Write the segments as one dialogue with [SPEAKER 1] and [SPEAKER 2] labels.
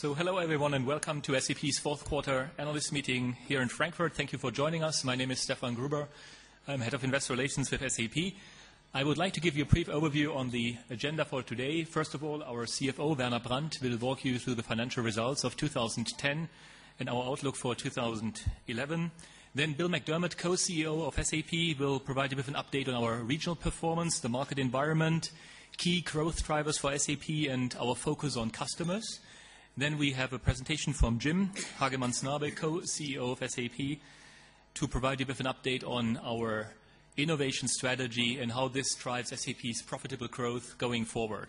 [SPEAKER 1] So hello, everyone, and welcome to SAP's 4th quarter Analyst meeting here in Frankfurt. Thank you for joining us. My name is Stefan Gruber. I'm Head of Investor Relations with SAP. I would like to give you a brief overview on the agenda for today. First of all, our CFO, Werner Brandt, will walk you through the financial results of 2010 and our outlook for 2011. Then Bill McDermott, Co CEO of SAP, will provide you with an update on our regional performance, the market environment, key growth drivers for SAP and our focus on customers. Then we have a presentation from Jim Hage Mansenabe, Co CEO of SAP, to provide you with an update on our innovation strategy and how this drives SAP's profitable growth going forward.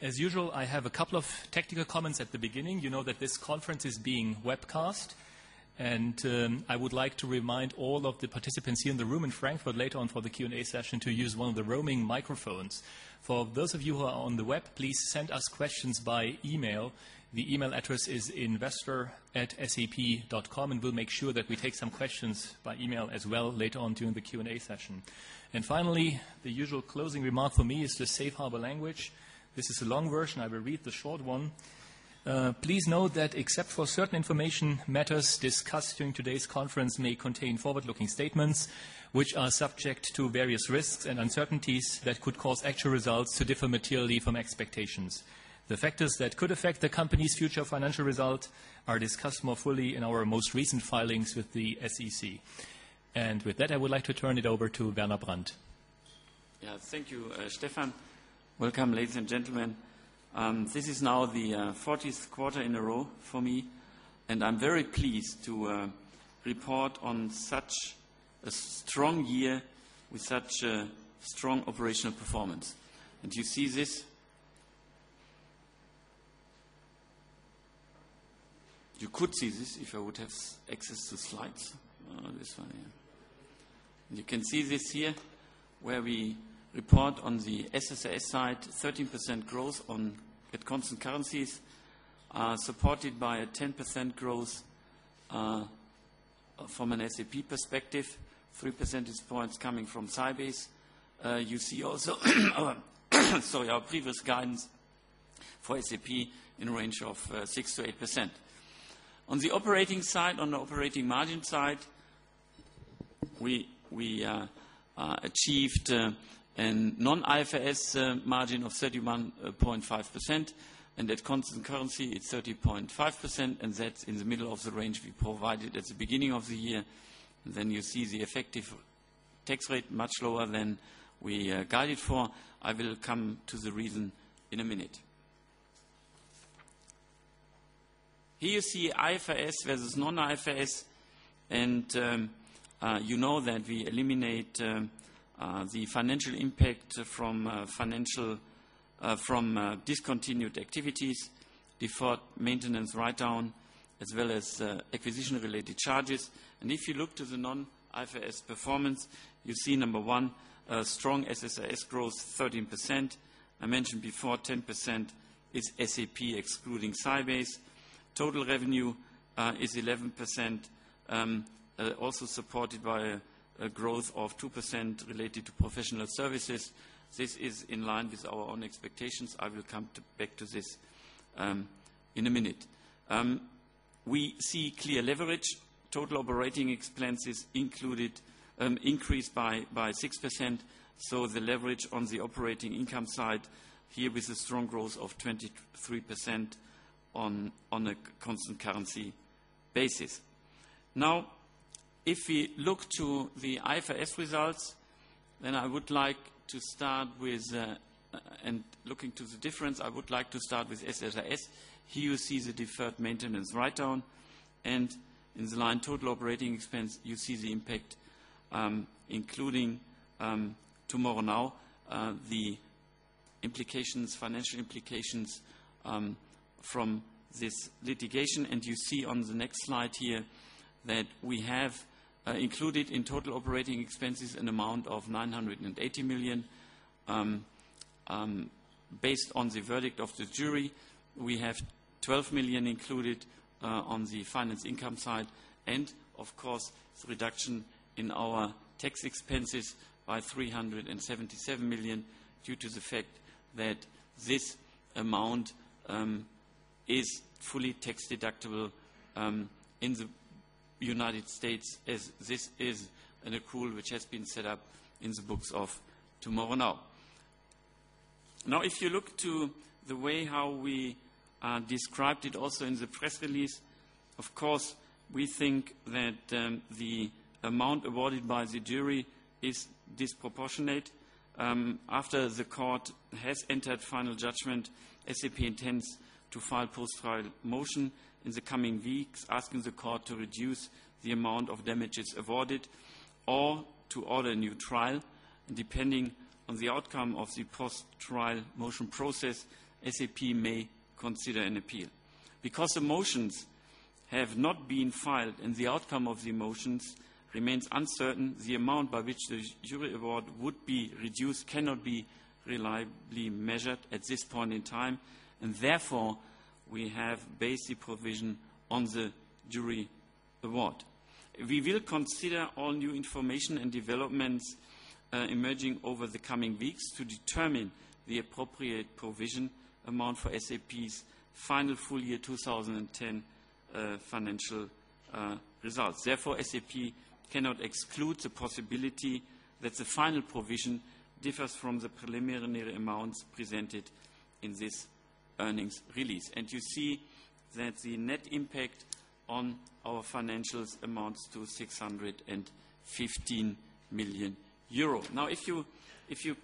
[SPEAKER 1] As usual, I have a couple of technical comments at the beginning. You know that this conference is being webcast, and I would like to remind all of the participants here in the room in Frankfurt later on for the Q and A session to use one of the roaming microphones. For those of you who are on the web, please send us questions by e mail. The e mail address is investorsep.com, and we'll make sure that we take some questions by e mail as well later on during the Q and A session. And finally, the usual closing remark for me is the Safe Harbor language. This is a long version. I will read the short one. Please note that except for certain information, matters discussed during today's conference may contain forward looking statements, which are subject to various risks and uncertainties that could cause actual results to differ materially from expectations. The factors that could affect the company's future financial results are discussed more fully in our most recent filings with the SEC. And with that, I would like to turn it over to Werner Brand.
[SPEAKER 2] Yes. Thank you, Stefan. Welcome, ladies and gentlemen. This is now the 40th quarter in a row for me, and I'm very pleased to report on such a strong year with such strong operational performance. And do you see this you could see this if I would have access to slides. This one here. You can see this here where we report on the SSAS side, 13% growth on at constant currencies, supported by a 10% growth from an SAP perspective, 3 percentage points coming from Sybase. You see also our sorry, our previous guidance for SAP in a range of 6% to 8%. On the operating side, on the operating margin side, we achieved a non IFRS margin of 31.5 percent. And at constant currency, it's 30.5%, and that's in the middle of the range we provided at the beginning of the year. Then you see the effective tax rate much lower than we guided for. I will come to the reason in a minute. Here you see IFRS versus non IFRS. And you know that we eliminate the financial impact from financial from discontinued activities, deferred maintenance write down as well as acquisition related charges. And if you look to the non IFRS performance, you see, number 1, strong SSIS growth 13%. I mentioned before, 10% is SAP, excluding Sybase. Total revenue is 11%, also supported by a growth of 2% related to professional services. This is in line with our own expectations. I will come back to this in a minute. We see clear leverage. Total operating expenses included increased by 6%. So the leverage on the operating income side here with a strong growth of 23% on a constant currency basis. Now if we look to the IFRS results, then I would like to start with and looking to the difference, I would like to start with SSIS. Here you see the deferred maintenance write down. And in the line total operating expense, you see the impact, including tomorrow now, the implications financial implications from this litigation. And you see on the next slide here that we have included in total operating expenses an amount of €980,000,000. Based on the verdict of the jury, we have €12,000,000 included on the finance income side and, of course, the reduction in our tax expenses by €377,000,000 due to the fact that this amount is fully tax deductible in the United States as this is an accrual which has been set up in the books of tomorrow now. Now if you look to the way how we described it also in the press release, of course, we think that the amount awarded by the jury is disproportionate. After the court has entered final judgment, SAP intends to file post trial motion in the coming weeks asking the court to reduce the amount of damages awarded or to order a new trial. And depending on the outcome of the post trial motion process, SAP may consider an appeal. Because the motions have not been filed and the outcome of the motions remains uncertain, the amount by which the jury award would be reduced cannot be reliably measured at this point in time. And therefore, we have basic provision on the jury award. We will consider all new information and developments emerging over the coming weeks to determine the appropriate provision amount for SAP's final full year 20 10 financial results. Therefore, SAP cannot exclude the possibility that the final provision differs from the preliminary amounts presented in this earnings release. And you see that the net impact on our financials amounts to €615,000,000 Now if you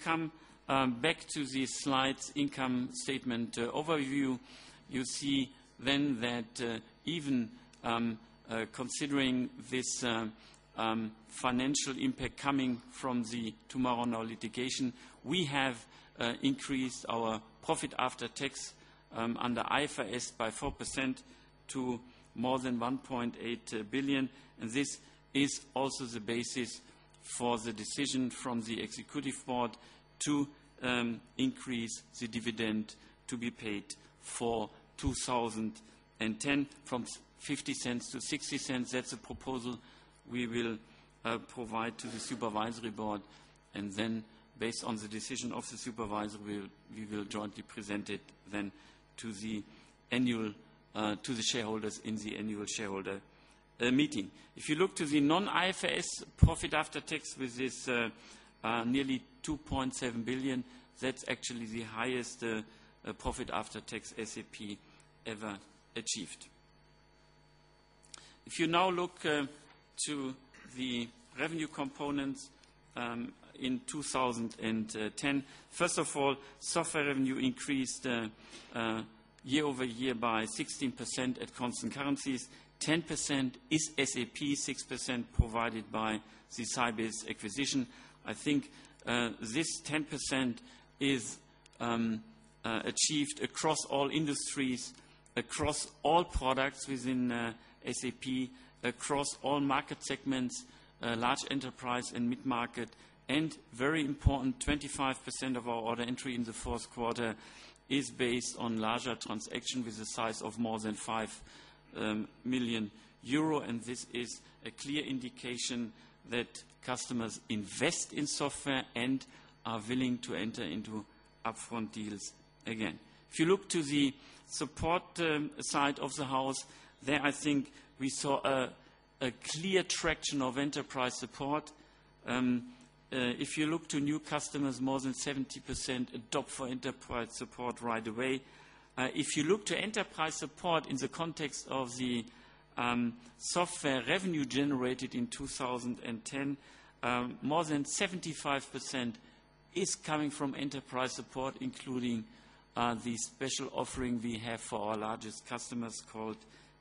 [SPEAKER 2] come back to the slide, income statement overview, you see then that even considering this financial impact coming from the Tomorrow Now litigation, we have increased our profit after tax under IFRS by 4% to more than €1,800,000,000 This is also the basis for the decision from the Executive Board to increase the dividend to be paid for 20 10 from $0.50 to $0.60 that's a proposal we will provide to the Supervisory Board. And then based on the decision of the supervisor, we will jointly present it then to the annual to the shareholders in the Annual Shareholder meeting. If you look to the non IFRS profit after tax, which is nearly €2,700,000,000 that's actually the highest profit after tax SAP ever achieved. If you now look to the revenue components in 2010, 1st of all, software revenue increased year over year by 16% at constant currencies, 10% is SAP, 6% provided by the Sybiz acquisition. I think this 10% is achieved across all industries, across all products within SAP, across all market segments, large enterprise and mid market. And very important, 25% of our order entry in the 4th quarter is based on larger transaction with the size of more than €5,000,000 And this is a clear indication that customers invest in software and are willing to enter into upfront deals again. If you look to the support side of the house, there I think we saw a clear traction of enterprise support. If you look to new customers, more than 70% adopt for enterprise support right away. If you look to enterprise support in the context of the software revenue generated in 2010, more than 75% is coming from Enterprise Support, including the special offering we have for our largest customers called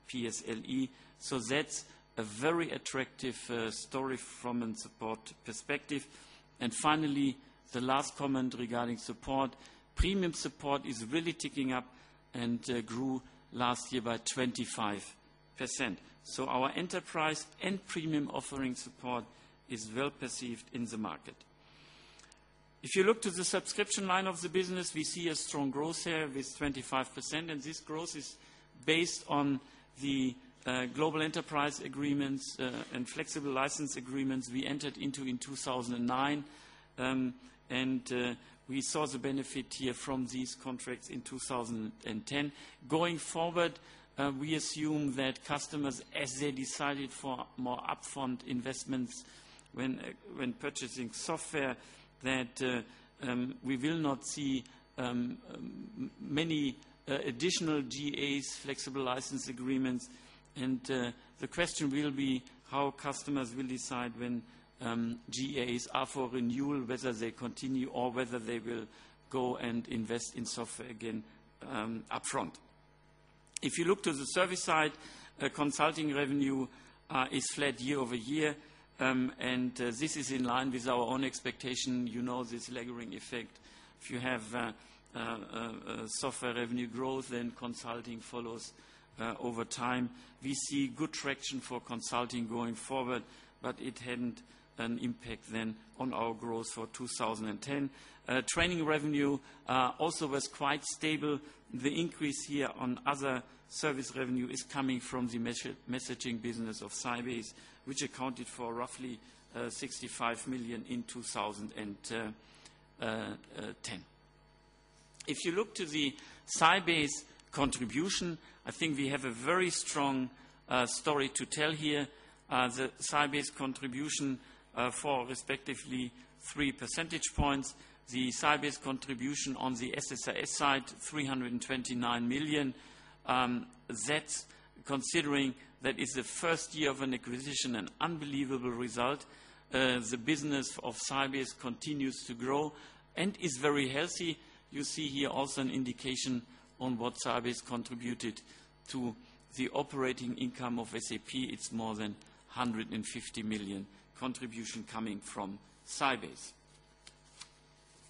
[SPEAKER 2] PSLE. So that's a very attractive story from a support perspective. And finally, the last comment regarding support. Premium support is really ticking up and grew last year by 25%. So our enterprise and premium offering support is well perceived in the market. If you look to the subscription line of the business, we see a strong growth here with 25% and this growth is based on the global enterprise agreements and flexible license agreements we entered into in 2,009. And we saw the benefit here from these contracts in 2010. Going forward, we assume that customers, as they decided for more up front investments when purchasing software, that we will not see many additional GAs, flexible license agreements. And the question will be how customers will decide when GEAs are for renewal, whether they continue or whether they will go and invest in software again upfront. If you look to the service side, consulting revenue is flat year over year, and this is in line with our own expectation. You know this lagering effect. If you have software revenue growth, then consulting follows over time. We see good traction for consulting going forward, but it hadn't an impact then on our growth for 2010. Training revenue also was quite stable. The increase here on other service revenue is coming from the messaging business of Sybase, which accounted for roughly €65,000,000 in 2010. If you look to the Sybase contribution, I think we have a very strong story to tell here. The Sybase contribution for respectively, 3 percentage points. The Sybase contribution on the SSIS side, 329,000,000. That's considering that it's the 1st year of an acquisition, an unbelievable result. The business of Sybiz continues to grow and is very healthy. You see here also an indication on what Sybase contributed to the operating income of SAP. It's more than €150,000,000 contribution coming from Sybase.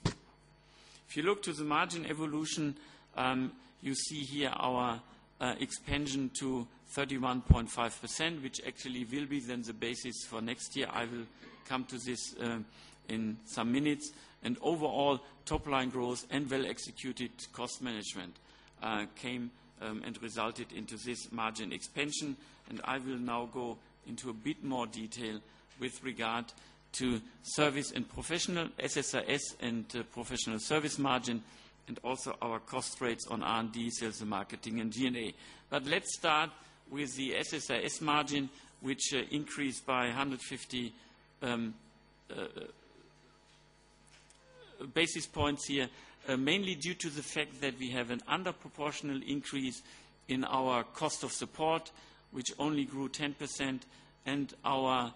[SPEAKER 2] If you look to the margin evolution, you see here our expansion to 31.5%, which actually will be then the basis for next year. I will come to this in some minutes. And overall, top line growth and well executed cost management came and resulted into this margin expansion. And I will now go into a bit more detail with regard to Service and Professional, SSIS and Professional Service margin and also our cost rates on R and D, Sales and Marketing and G and A. But let's start with the SSIS margin, which increased by 150 basis points here, mainly due to the fact that we have an under proportional increase in our cost of support, which only grew 10% and our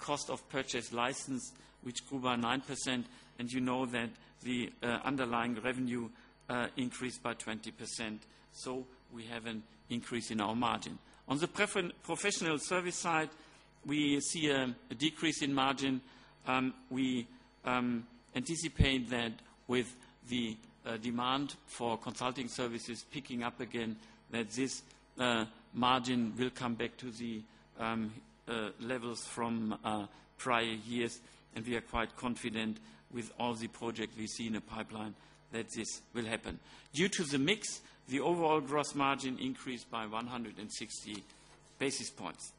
[SPEAKER 2] cost of purchase license, which grew by 9%. And you know that the underlying revenue increased by 20%. So we have an increase in our margin. On the Professional Service side, we see a decrease in margin. We anticipate that with the demand for consulting services picking up again that this margin will come back to the levels from prior years, and we are quite confident with all the projects we see in the pipeline that this will happen. Due to the mix, the overall gross margin increased by 100 and 60 basis points.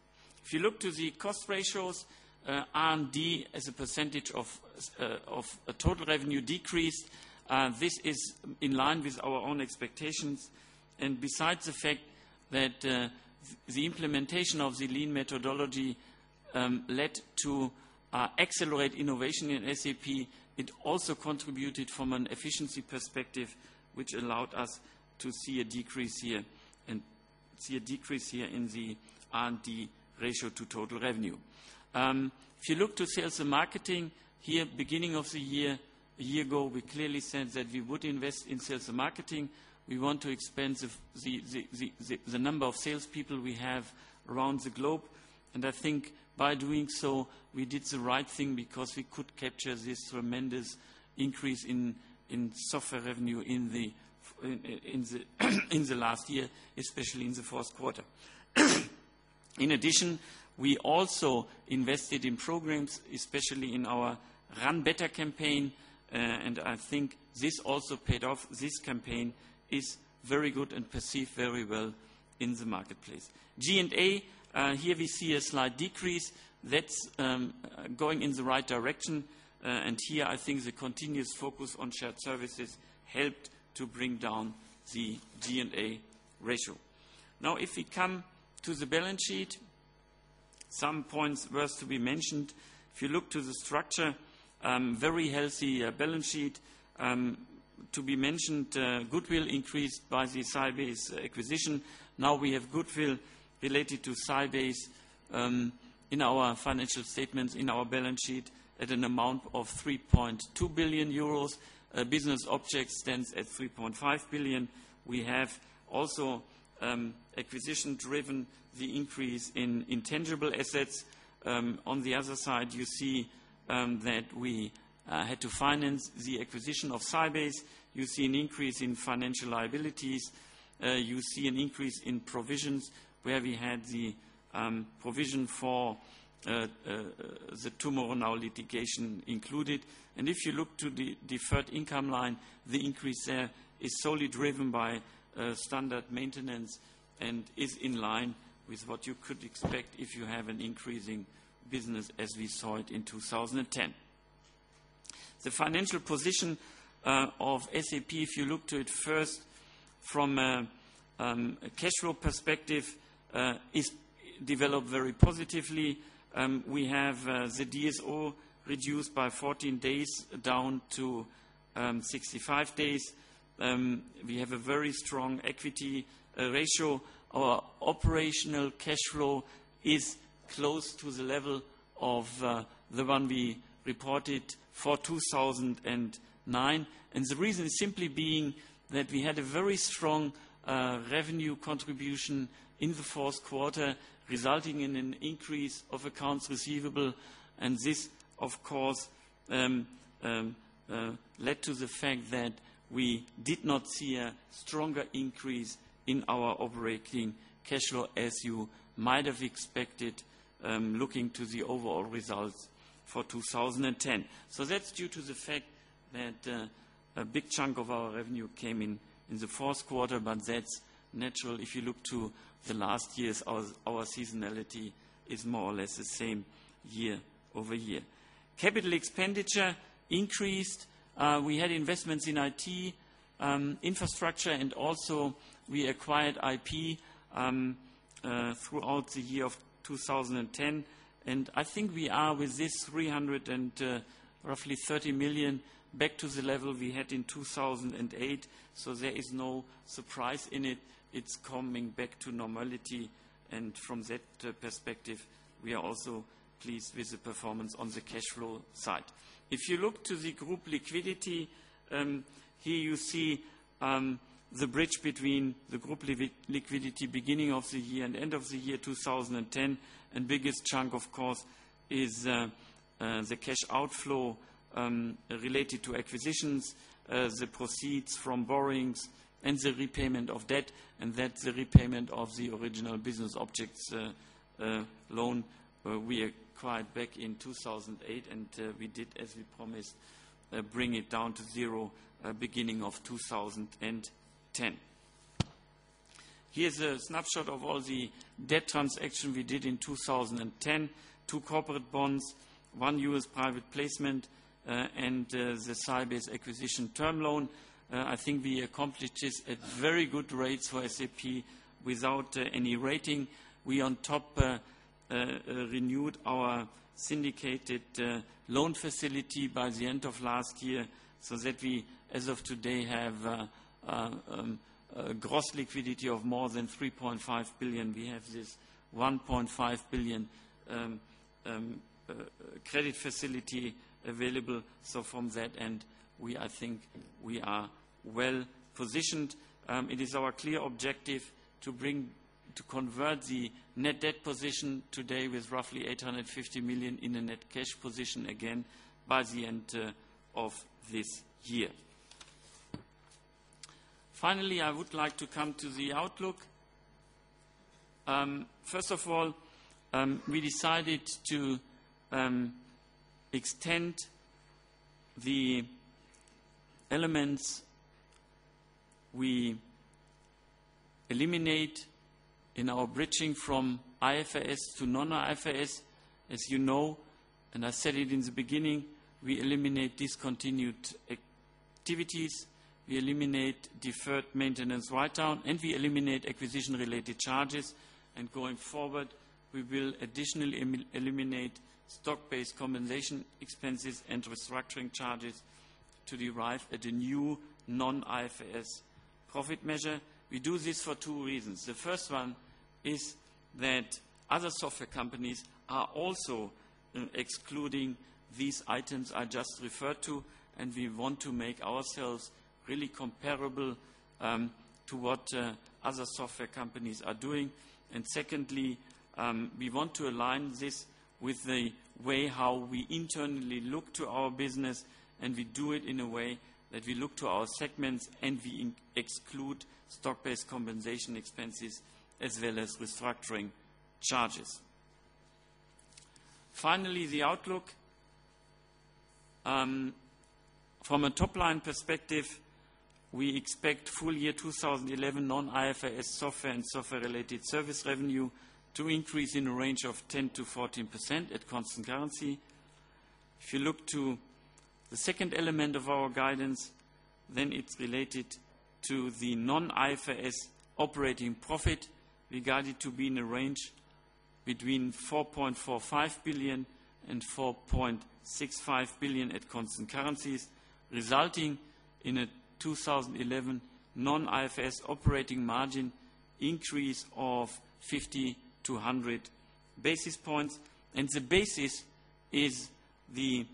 [SPEAKER 2] If you look to the cost ratios, R and D as a percentage of total revenue decreased. This is in line with our own expectations. And besides the fact that the implementation of the lean methodology led to accelerate innovation in SAP. It also contributed from an efficiency perspective, which allowed us to see a decrease here in the R and D ratio to total revenue. If you look to Sales and Marketing, here beginning of the year, a year ago, we clearly said that we would invest in Sales and Marketing. We want to expand the number of salespeople we have around the globe. And I think by doing so, we did the right thing because we could capture this tremendous increase in software revenue in the last year, especially in the Q4. In addition, we also invested in programs, especially in our Run Better campaign, and I think this also paid off. This campaign is very good and perceived very well in the marketplace. G and A, here we see a slight decrease. That's going in the right direction. And here, I think the continuous focus on shared services helped to bring down the G and A ratio. Now if we come to the balance sheet, some points worth to be mentioned. If you look to the structure, very healthy balance sheet. To be mentioned, goodwill increased by the sideways acquisition. Now we have goodwill related to sideways in our financial statements, in our balance sheet at an amount of €3,200,000,000 Business Object stands at €3,500,000,000 We have also acquisition driven the increase in intangible assets. On the other side, you see that we had to finance the acquisition of Sybase. You see an increase in financial liabilities. You see an increase in provisions where we had the provision for the Tumoron, our litigation included. And if you look to the deferred income line, the increase there is solely driven by standard maintenance and is in line with what you could expect if you have an increasing business as we saw it in 2010. The financial position of SAP, if you look to it first from a cash flow perspective, is developed very positively. We have the DSO reduced by 14 days down to 65 days. We have a very strong equity ratio. Our operational cash flow is close to the level of the one we reported for 2,009. And the reason is simply being that we had a very strong revenue contribution in the 4th quarter, resulting in an increase of accounts receivable. And this, of course, led to the fact that we did not see a stronger increase in our operating cash flow as you might have expected looking to the overall results for 2010. So that's due to the fact that a big chunk of our revenue came in, in the Q4, but that's natural. If you look to the last years, our seasonality is more or less the same year over year. Capital expenditure increased. We had investments in IT, infrastructure and also we acquired IP throughout the year of 2010. And I think we are with this €300,000,000 roughly €30,000,000 back to the level we had in 1,008. So there is no surprise in it. It's coming back to normality. And from that perspective, we are also pleased with the performance on the cash flow side. If you look to the group liquidity, here you see the bridge between the group liquidity beginning of the year and end of the year 2010. And biggest chunk, of course, is the cash outflow related to acquisitions, the proceeds from borrowings and the repayment of debt, and that's the repayment of the original business objects loan we acquired back in 2,008. And we did, as we promised, bring it down to 0 beginning 10. 2 corporate bonds, 1 U. S. Private placement and the Sybiz Acquisition term loan. I think we accomplished this at very good rates for SAP without any rating. We, on top, renewed our syndicated loan facility by the end of last year so that we, as of today, have gross liquidity of more than €3,500,000,000 We have this €1,500,000,000 credit facility available. So from that end, we I think we are well positioned. It is our clear objective to bring to convert the net debt position today with roughly 8 €50,000,000 in the net cash position again by the end of this year. Finally, I would like to come to the outlook. First of all, we decided to extend the elements we eliminate in our bridging from IFRS to non IFRS. As you know and I said it in the beginning, we eliminate discontinued activities, we eliminate deferred maintenance write down, and we eliminate acquisition related charges. And going forward, we will additionally eliminate stock based compensation expenses and restructuring charges to derive at a new non IFRS profit measure. We do this for two reasons. The first one is that other software companies are also excluding these items I just referred to, and we want to make ourselves really comparable to what other software companies are doing. And secondly, we want to align this with the way how we internally look to our business and we do it in a way that we look to our segments and we exclude stock based compensation expenses as well as restructuring charges. Finally, the outlook. From a top line perspective, we expect full year 2011 non IFRS software and software related service revenue to increase in a range of 10% to 14% at constant currency. If you look to the second element of our guidance, then it's related to the non IFRS operating profit, we guided to be in a range between €4,450,000,000 €4,650,000,000 at constant currencies, resulting in a 2011 non IFRS operating margin increase of 50 to 100 basis points. And the basis is the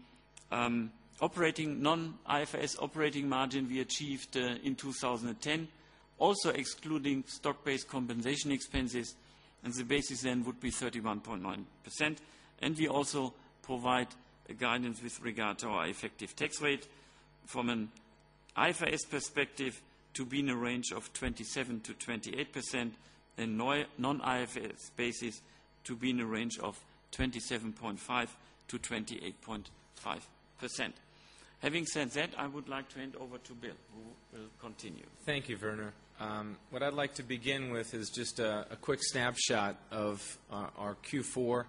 [SPEAKER 2] operating non IFRS operating margin we achieved in 2010, also excluding stock based compensation expenses and the basis then would be 31.9%. And we also provide guidance with regard to our effective tax rate from an IFRS perspective to be in a range of 27% to 28% and non IFRS basis to be in the range of 27.5% to 28.5%. Having said that, I would like to hand over to Bill, who will continue.
[SPEAKER 3] Thank you, Werner. What I'd like to begin with is just a quick snapshot of our Q4,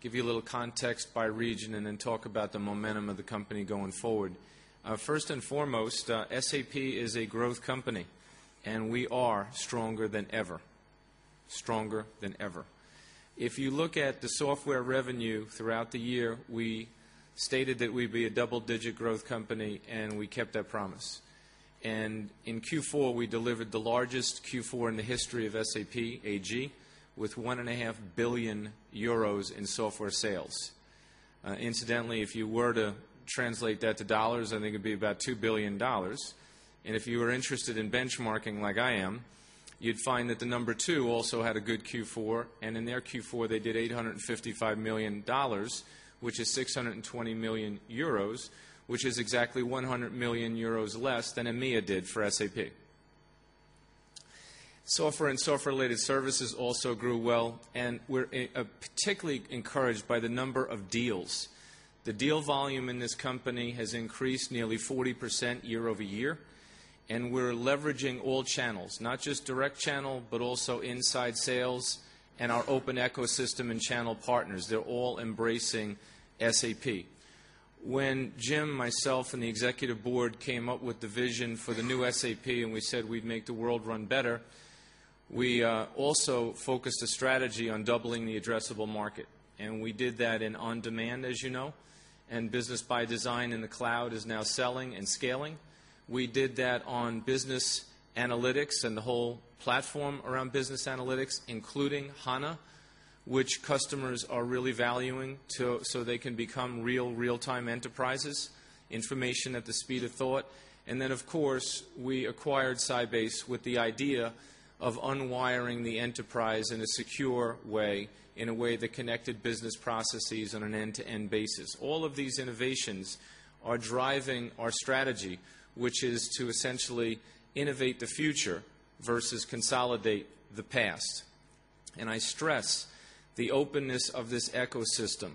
[SPEAKER 3] give you a little context by region and then talk about the momentum of the company going forward. 1st and foremost, SAP is a growth company, and we are stronger than ever, stronger than ever. If you look at the software revenue throughout the year, we stated that we'd be a double digit growth company, and we kept our promise. And in Q4, we delivered the largest Q4 in the history of SAP AG with €1,500,000,000 in software sales. Incidentally, if you were to translate that to dollars, I think it'd be about $2,000,000,000 And if you were interested in benchmarking like I am, you'd find that the number 2 also had a good Q4. And in their Q4, they did $855,000,000 which is €620,000,000 which is exactly €100,000,000 less than EMEA did for SAP. Software and software related services also grew well, and we're particularly encouraged by the number of deals. The deal volume in this company has increased nearly 40% year over year, and we're leveraging all channels, not just direct channel, but also inside sales and our open ecosystem and channel partners. They're all embracing SAP. When Jim, myself and the Executive Board came up with the vision for the new SAP and we said we'd make the world run better, we also focused a strategy on doubling the addressable market. And we did that in on demand, as you know, and business by design in the cloud is now selling and scaling. We did that on business analytics and the whole platform around business analytics, including HANA, which customers are really valuing so they can become real, real time enterprises, information at the speed of thought. And then, of course, we acquired Sybase with the idea of unwiring the enterprise in a secure way, in a way that connected business processes on an end to end basis. All of these innovations are driving our strategy, which is to essentially innovate the future versus consolidate the past. And I stress the openness of this ecosystem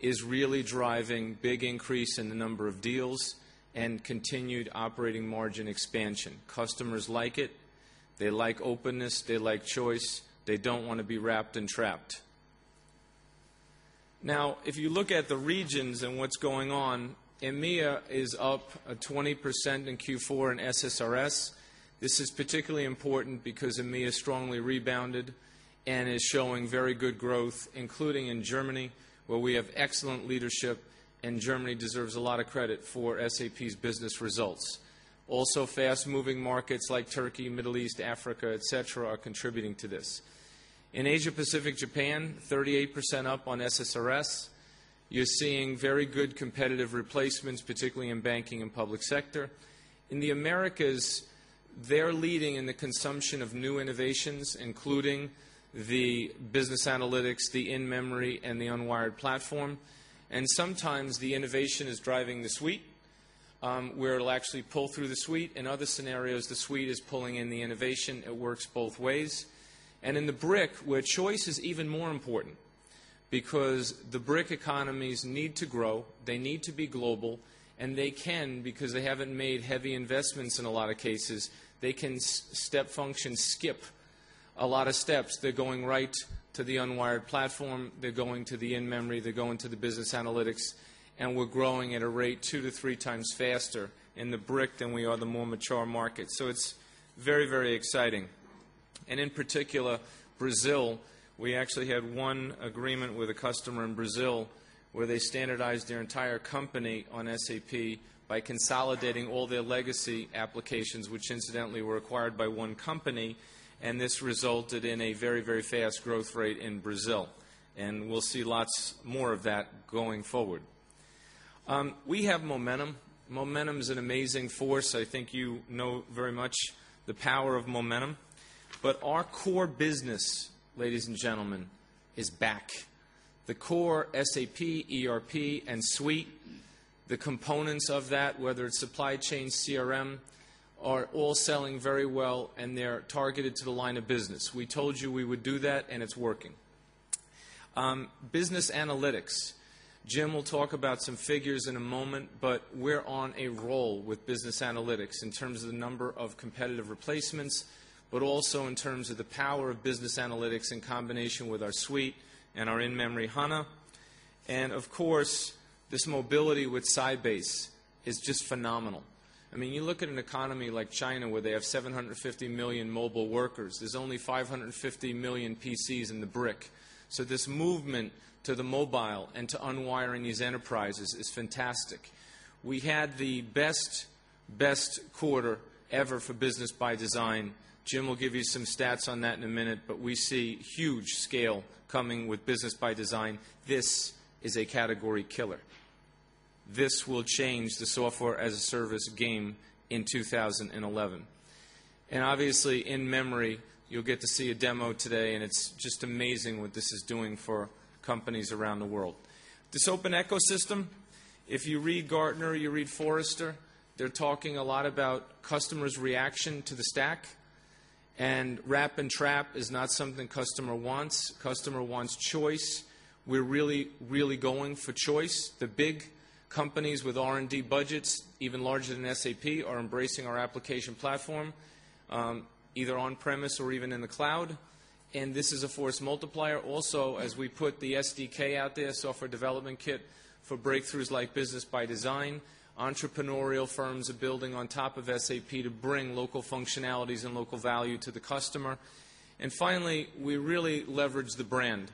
[SPEAKER 3] is really driving big increase in the number of deals and continued operating margin expansion. Customers like it. They like openness. They like choice. They don't want to be wrapped and trapped. Now if you look at the regions and what's going on, EMEA is up 20% in Q4 in SSRS. This is particularly important because EMEA strongly rebounded and is showing very good growth, including in Germany, where we have excellent leadership, and Germany deserves a lot of credit for SAP's business results. Also, fast moving markets like Turkey, Middle East, Africa, etcetera, are contributing to this. In Asia Pacific, Japan, 38% up on SSRS. You're seeing very good competitive replacements, particularly in banking and public sector. In the Americas, they're leading in the consumption of new innovations, including the business analytics, the in memory and the unwired platform. And sometimes, the innovation is driving the suite, where it will actually pull through the suite. In other scenarios, the suite is pulling in the innovation. It works both ways. And in the BRIC, where choice is even more important because the BRIC economies need to grow, they need to be global, and they can because they haven't made heavy investments in a lot of cases, They can step functions skip a lot of steps. They're going right to the unwired platform. They're going to the in memory. They're going to the business analytics. And we're growing at a rate 2 to 3 times faster in the BRIC than we are the more mature market. So it's very, very exciting. And in particular, Brazil, we actually had one agreement with a customer in Brazil where they standardized their entire company on SAP by consolidating all their legacy applications, which incidentally were acquired by 1 company, and this resulted in a very, very fast growth rate in Brazil. And we'll see lots more of that going forward. We have momentum. Momentum is an amazing force. I think you know very much the power of momentum. But our core business, ladies and gentlemen, is back. The core SAP, ERP and Suite, the components of that, whether it's supply chain CRM, are all selling very well and they're targeted to the line of business. We told you we would do that and it's working. Business Analytics. Jim will talk about some figures in a moment, but we're on a roll with Business Analytics in terms of the number of competitive replacements, but also in terms of the power of business analytics in combination with our suite and our in memory HANA. And of course, this mobility with Sybase is just phenomenal. I mean, you look at an economy like China where they have 750,000,000 mobile workers, there's only 550,000,000 PCs in the brick. So this movement to the mobile and to unwiring these enterprises is fantastic. We had the best, best quarter ever for Business by Design. Jim will give you some stats on that in a minute, but we see huge scale coming with Business by Design. This is a category killer. This will change the software as a service game in 2011. And obviously, in memory, you'll get to see a demo today, and it's just amazing what this is doing for companies around the world. This open ecosystem, if you read Gartner, you read Forrester, they're talking a lot about customers' reaction to the stack. And wrap and trap is not something customer wants. Customer wants choice. We're really, really going for choice. The big companies with R and D budgets, even larger than SAP, are embracing our application platform, either on premise or even in the cloud. And this is a force multiplier. Also, as we put the SDK out there, software development kit for breakthroughs like business by design, entrepreneurial firms are building on top of SAP to bring local functionalities and local value to the customer. And finally, we really leverage the brand.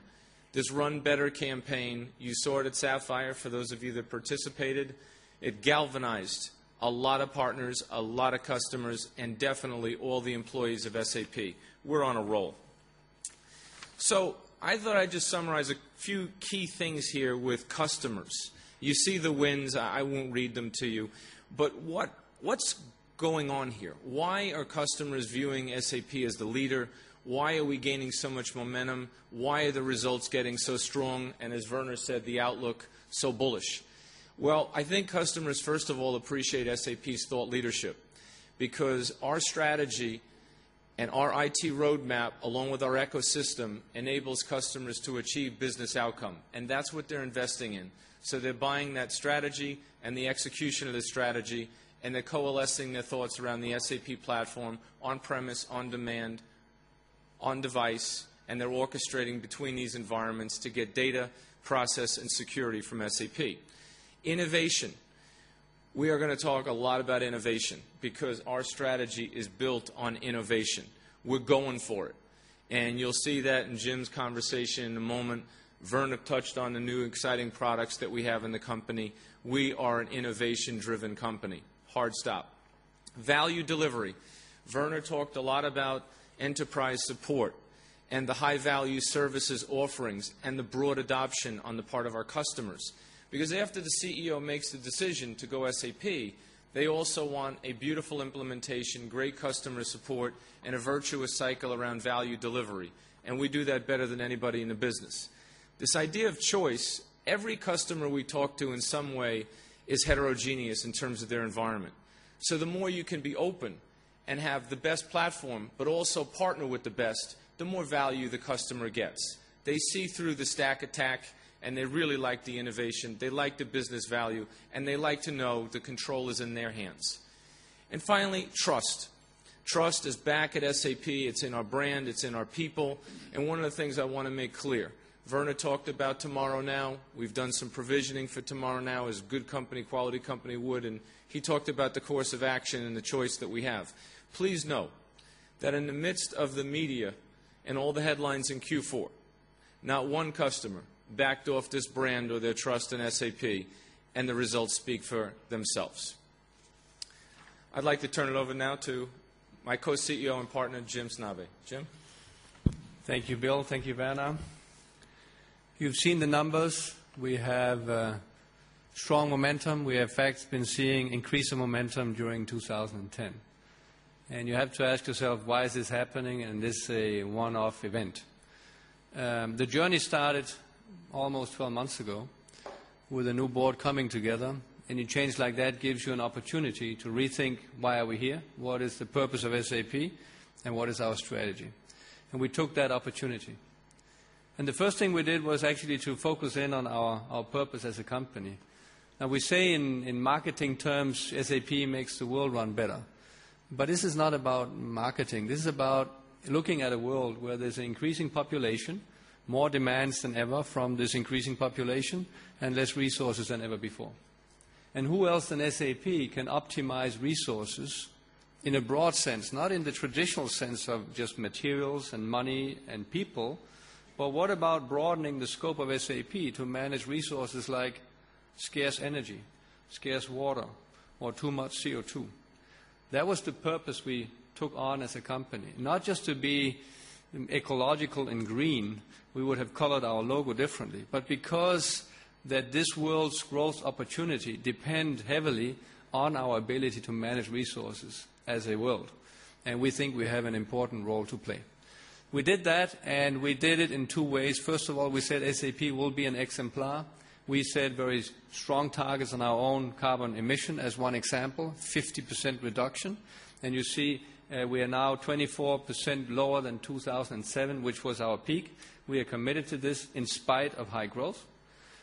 [SPEAKER 3] This Run Better campaign, you saw it at SAPPHIRE for those of you that participated. It galvanized a lot of partners, a lot of customers and definitely all the employees of SAP. We're on a roll. So I thought I'd just summarize a few key things here with customers. You see the wins. I won't read them to you. But what's going on here? Why are customers viewing SAP as the leader? Why are we gaining so much momentum? Why are the results getting so strong and as Werner said, the outlook so bullish? Well, I think customers, first of all, appreciate SAP's thought leadership because our strategy and our IT road map, along with our ecosystem, enables customers to achieve business outcome, and that's what they're investing in. So they're buying that strategy and the execution of the strategy, and they're coalescing their thoughts around the SAP platform on premise, on demand, on device, and they're orchestrating between these environments to get data, process and security from SAP. Innovation. We are going to talk a lot about innovation because our strategy is built on innovation. We're going for it. And you'll see that in Jim's conversation in a moment Werner touched on the new exciting products that we have in the company. We are an innovation driven company, hard stop. Value delivery. Werner talked a lot about enterprise support and the high value services offerings and the broad adoption on the part of our customers. Because after the CEO makes the decision to go SAP, they also want a beautiful implementation, great customer support and a virtuous cycle around value delivery. And we do that better than anybody in the business. This idea of choice, every customer we talk to in some way is heterogeneous in terms of their environment. So the more you can be open and have the best platform but also partner with the best, the more value the customer gets. They see through the stack attack, and they really like the innovation. They like the business value, and they like to know the control is in their hands. And finally, trust. Trust is back at SAP. It's in our brand. It's in our people. And one of the things I want to make clear, Werner talked about Tomorrow Now, we've done some provisioning for Tomorrow Now as good company, quality company would, and he talked about the course of action and the choice that we have. Please note that in the midst of the media and all the headlines in Q4, not one customer backed off this brand or their trust in SAP, and the results speak for themselves. I'd like to turn it over now to my co CEO and partner, Jim Snabe. Jim?
[SPEAKER 4] Thank you, Bill. Thank you, Werner. You've seen the numbers. We have strong momentum. We, in fact, been seeing increasing momentum during 2010. And you have to ask yourself why is this happening, and this is a one off event. The journey started almost 12 months ago with a new board coming together. Any change like that gives you an opportunity to rethink why are we here, what is the purpose of SAP and what is our strategy. And we took that opportunity. And the first thing we did was actually focus in on our purpose as a company. Now we say in marketing terms, SAP makes the world run better. But this is not about marketing. This is about looking at a world where there's an increasing population, more demands than ever from this increasing population and less resources than ever before. And who else in SAP can optimize resources in a broad sense, not in the traditional sense of just materials and money and people, but what about broadening the scope of SAP to manage resources like scarce energy, scarce water or too much CO2? That was the purpose we took on as a company, not just to be ecological and green, we would have colored our logo differently, but because that this world's growth opportunity depend heavily on our ability to manage resources as a world, and we think we have an important role to play. We did that, and we did it in 2 ways. First of all, we said SAP will be an exemplar. We set very strong targets on our own carbon emission, as one example, fifty percent reduction. And you see we are now 24% lower than 2,007, which was our peak. We are committed to this in spite of high growth.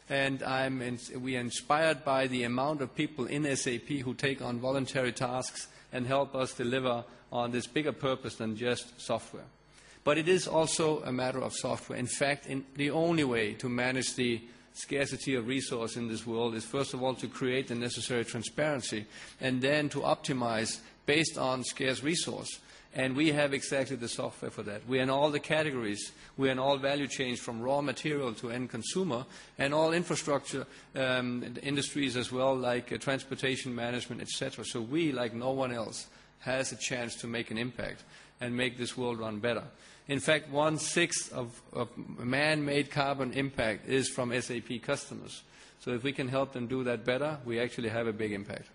[SPEAKER 4] And I'm we're inspired by the amount of people in SAP who take on voluntary tasks and help us deliver on this bigger purpose than just software. But it is also a matter of software. In fact, the only way to manage the scarcity of resource in this world is, 1st of all, to create the necessary transparency and then to optimize based on scarce resource. And we have exactly the software for that. We're in all the categories. We're in all value chains from raw material to end consumer and all infrastructure industries as well like transportation management, etcetera. So we, like no one else, has a chance to make an impact and make this world run better. In fact, onesix of manmade carbon impact is from SAP customers. So if we can help them do that better, we actually have a big impact.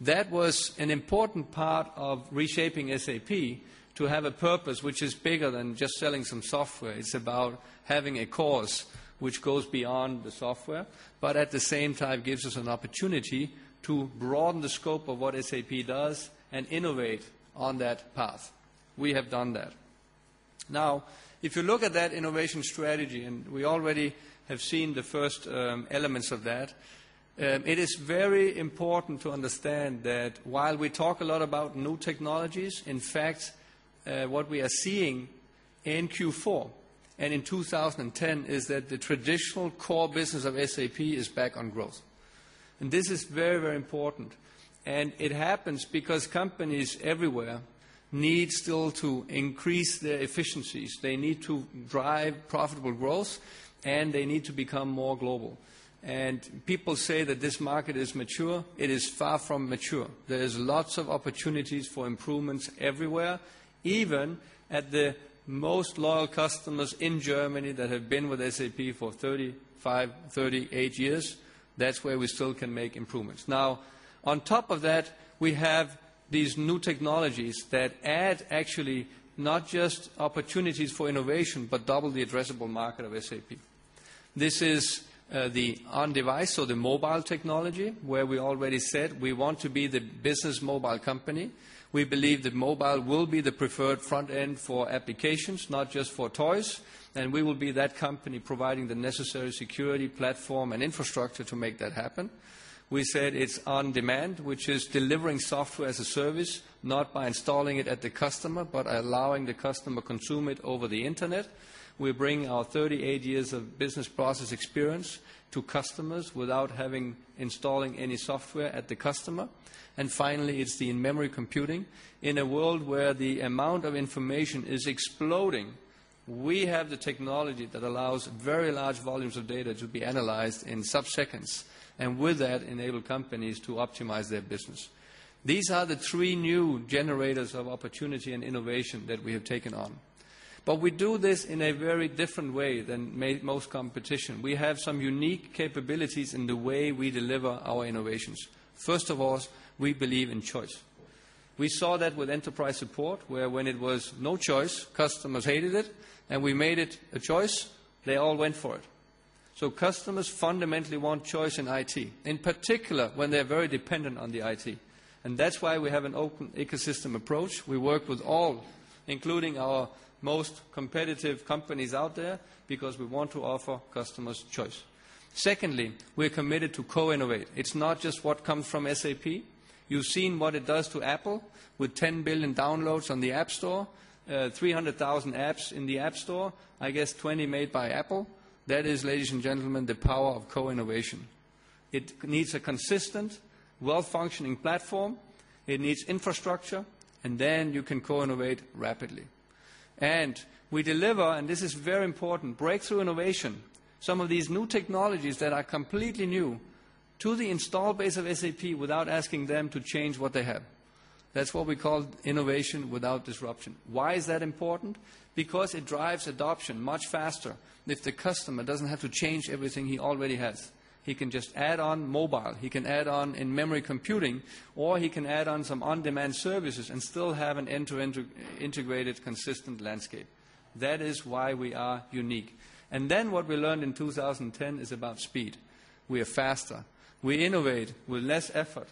[SPEAKER 4] That was an important part of reshaping SAP to have a purpose which is bigger than just selling some software. It's about having a course which goes beyond the software, but at the same time, gives us an opportunity to broaden the scope of what SAP does and innovate on that path. We have done that. Now if you look at that innovation strategy, and we already have seen the first elements of that, It is very important to understand that while we talk a lot about new technologies, in fact, what we are seeing in Q4 and in 2010 is that the traditional core business of SAP is back on growth. And this is very, very important. And it happens because companies everywhere need still to increase their efficiencies. They need to drive profitable growth, and they need to become more global. And people say that this market is mature. It is far from mature. There is lots of opportunities for improvements everywhere, even at the most loyal customers in Germany that have been with SAP for 30 5, 38 years. That's where we still can make improvements. Now on top of that, we have these new technologies that add actually not just opportunities for innovation, but double the addressable market of SAP. This is the on device, so the mobile technology, where we already said we want to be the business mobile company. We believe that mobile will be the preferred front end for applications, not just for toys. And we will be that company providing the necessary security platform and infrastructure to make that happen. We said it's on demand, which is delivering software as a service, not by installing it at the customer, but allowing the customer consume it over the Internet. We're bringing our 38 years of business process experience to customers without having installing any software at the customer. And finally, it's the memory computing. In a world where the amount of information is exploding. We have the technology that allows very large volumes of data to be analyzed in sub seconds, and with that, enable companies to optimize their business. These are the 3 new generators of opportunity and innovation that we have taken on. But we do this in a very different way than most competition. We have some unique capabilities in the way we deliver our innovations. First of all, we believe in choice. We saw that with enterprise support, where when it was no choice, customers hated it, and we made it a choice, they all went for it. So customers fundamentally want choice in IT, in particular when they're very dependent on the IT. And that's why we have an open ecosystem approach. We work with all, including our most competitive companies out there because we want to offer customers choice. Secondly, we're committed to co innovate. It's not just what comes from SAP. You've seen what it does to Apple with 10,000,000,000 downloads on the App Store, 300,000 apps in the App Store, I guess 20 made by Apple. That is, ladies and gentlemen, the power of co innovation. It needs a consistent, well functioning platform. It needs infrastructure, and then you can co innovate rapidly. And we deliver, and this is very important, breakthrough innovation, some of these new technologies that are completely new to the installed base of SAP without asking them to change what they have. That's what we call innovation without disruption. Why is that important? Because it drives adoption much faster if the customer doesn't have to change everything he already has. He can just add on mobile. He can add on in memory computing or he can add on some on demand services and still have an end to end integrated consistent landscape. That is why we are unique. And then what we learned in 2010 is about speed. We are faster. We innovate with less effort,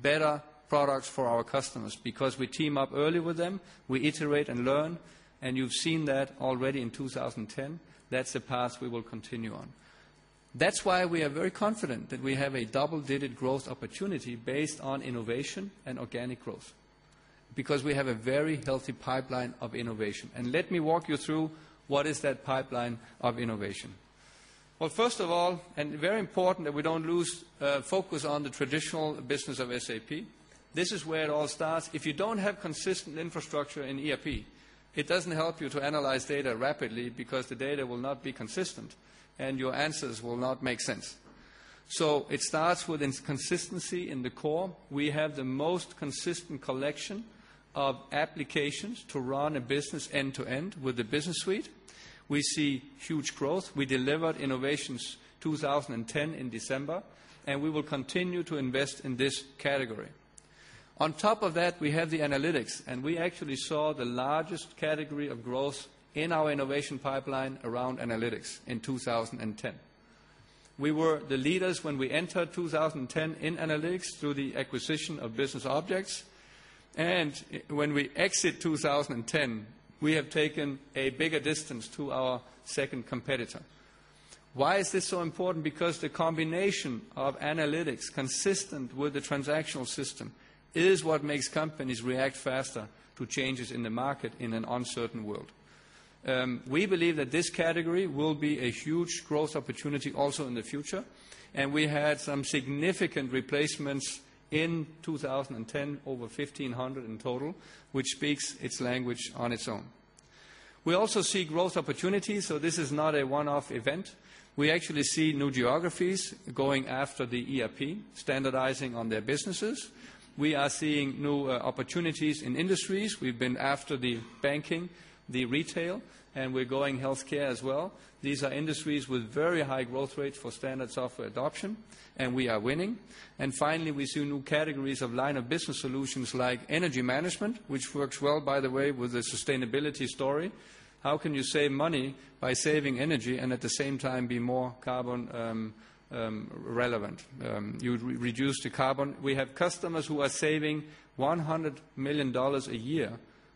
[SPEAKER 4] better products for our customers because we team up early with them, we iterate and learn, and you've seen that already in 2010. That's the path we will continue on. That's why we are very confident that we have a double digit growth opportunity based on innovation and organic growth because we have a very healthy pipeline of innovation. Let me walk you through what is that pipeline of innovation. Well, first of all, and very important that we don't lose focus on the traditional business of SAP, this is where it all starts. If you don't have consistent infrastructure in ERP, it doesn't help you to analyze data rapidly because the data will not be consistent and your answers will not make sense. So it starts with consistency in the core. We have the most consistent collection of applications to run a business end to end with the business suite. We see huge growth. We delivered Innovations 2010 in December, and we will continue to invest in this category. On top of that, we have the analytics, and we actually saw the largest category of growth in our innovation pipeline around Analytics in 2010. We were the leaders when we entered 20 10 in Analytics through the acquisition of Business Objects. And when we exit 20 10, we have taken a bigger distance to our second competitor. Why is this so important? Because the combination of analytics consistent with the transactional system is what makes companies react faster to changes in the market in an uncertain world. We believe that this category will be a huge growth opportunity also in the future, and we had some significant replacements in 2010, over 1500 in total, which speaks its language on its own. We also see growth opportunities. So this is not a one off event. We actually see new geographies going after the ERP, standardizing on their businesses. We are seeing new opportunities in industries. We've been after the banking, the retail, and we're going health care as well. These are industries with very high growth rates for standard software adoption, and we are winning. And finally, we see new categories of line of business solutions like energy management, which works well, by the way, with the sustainability story. How can you save money by saving energy and at the same time be more carbon relevant? You reduce the carbon. We have customers who are saving $100,000,000 a year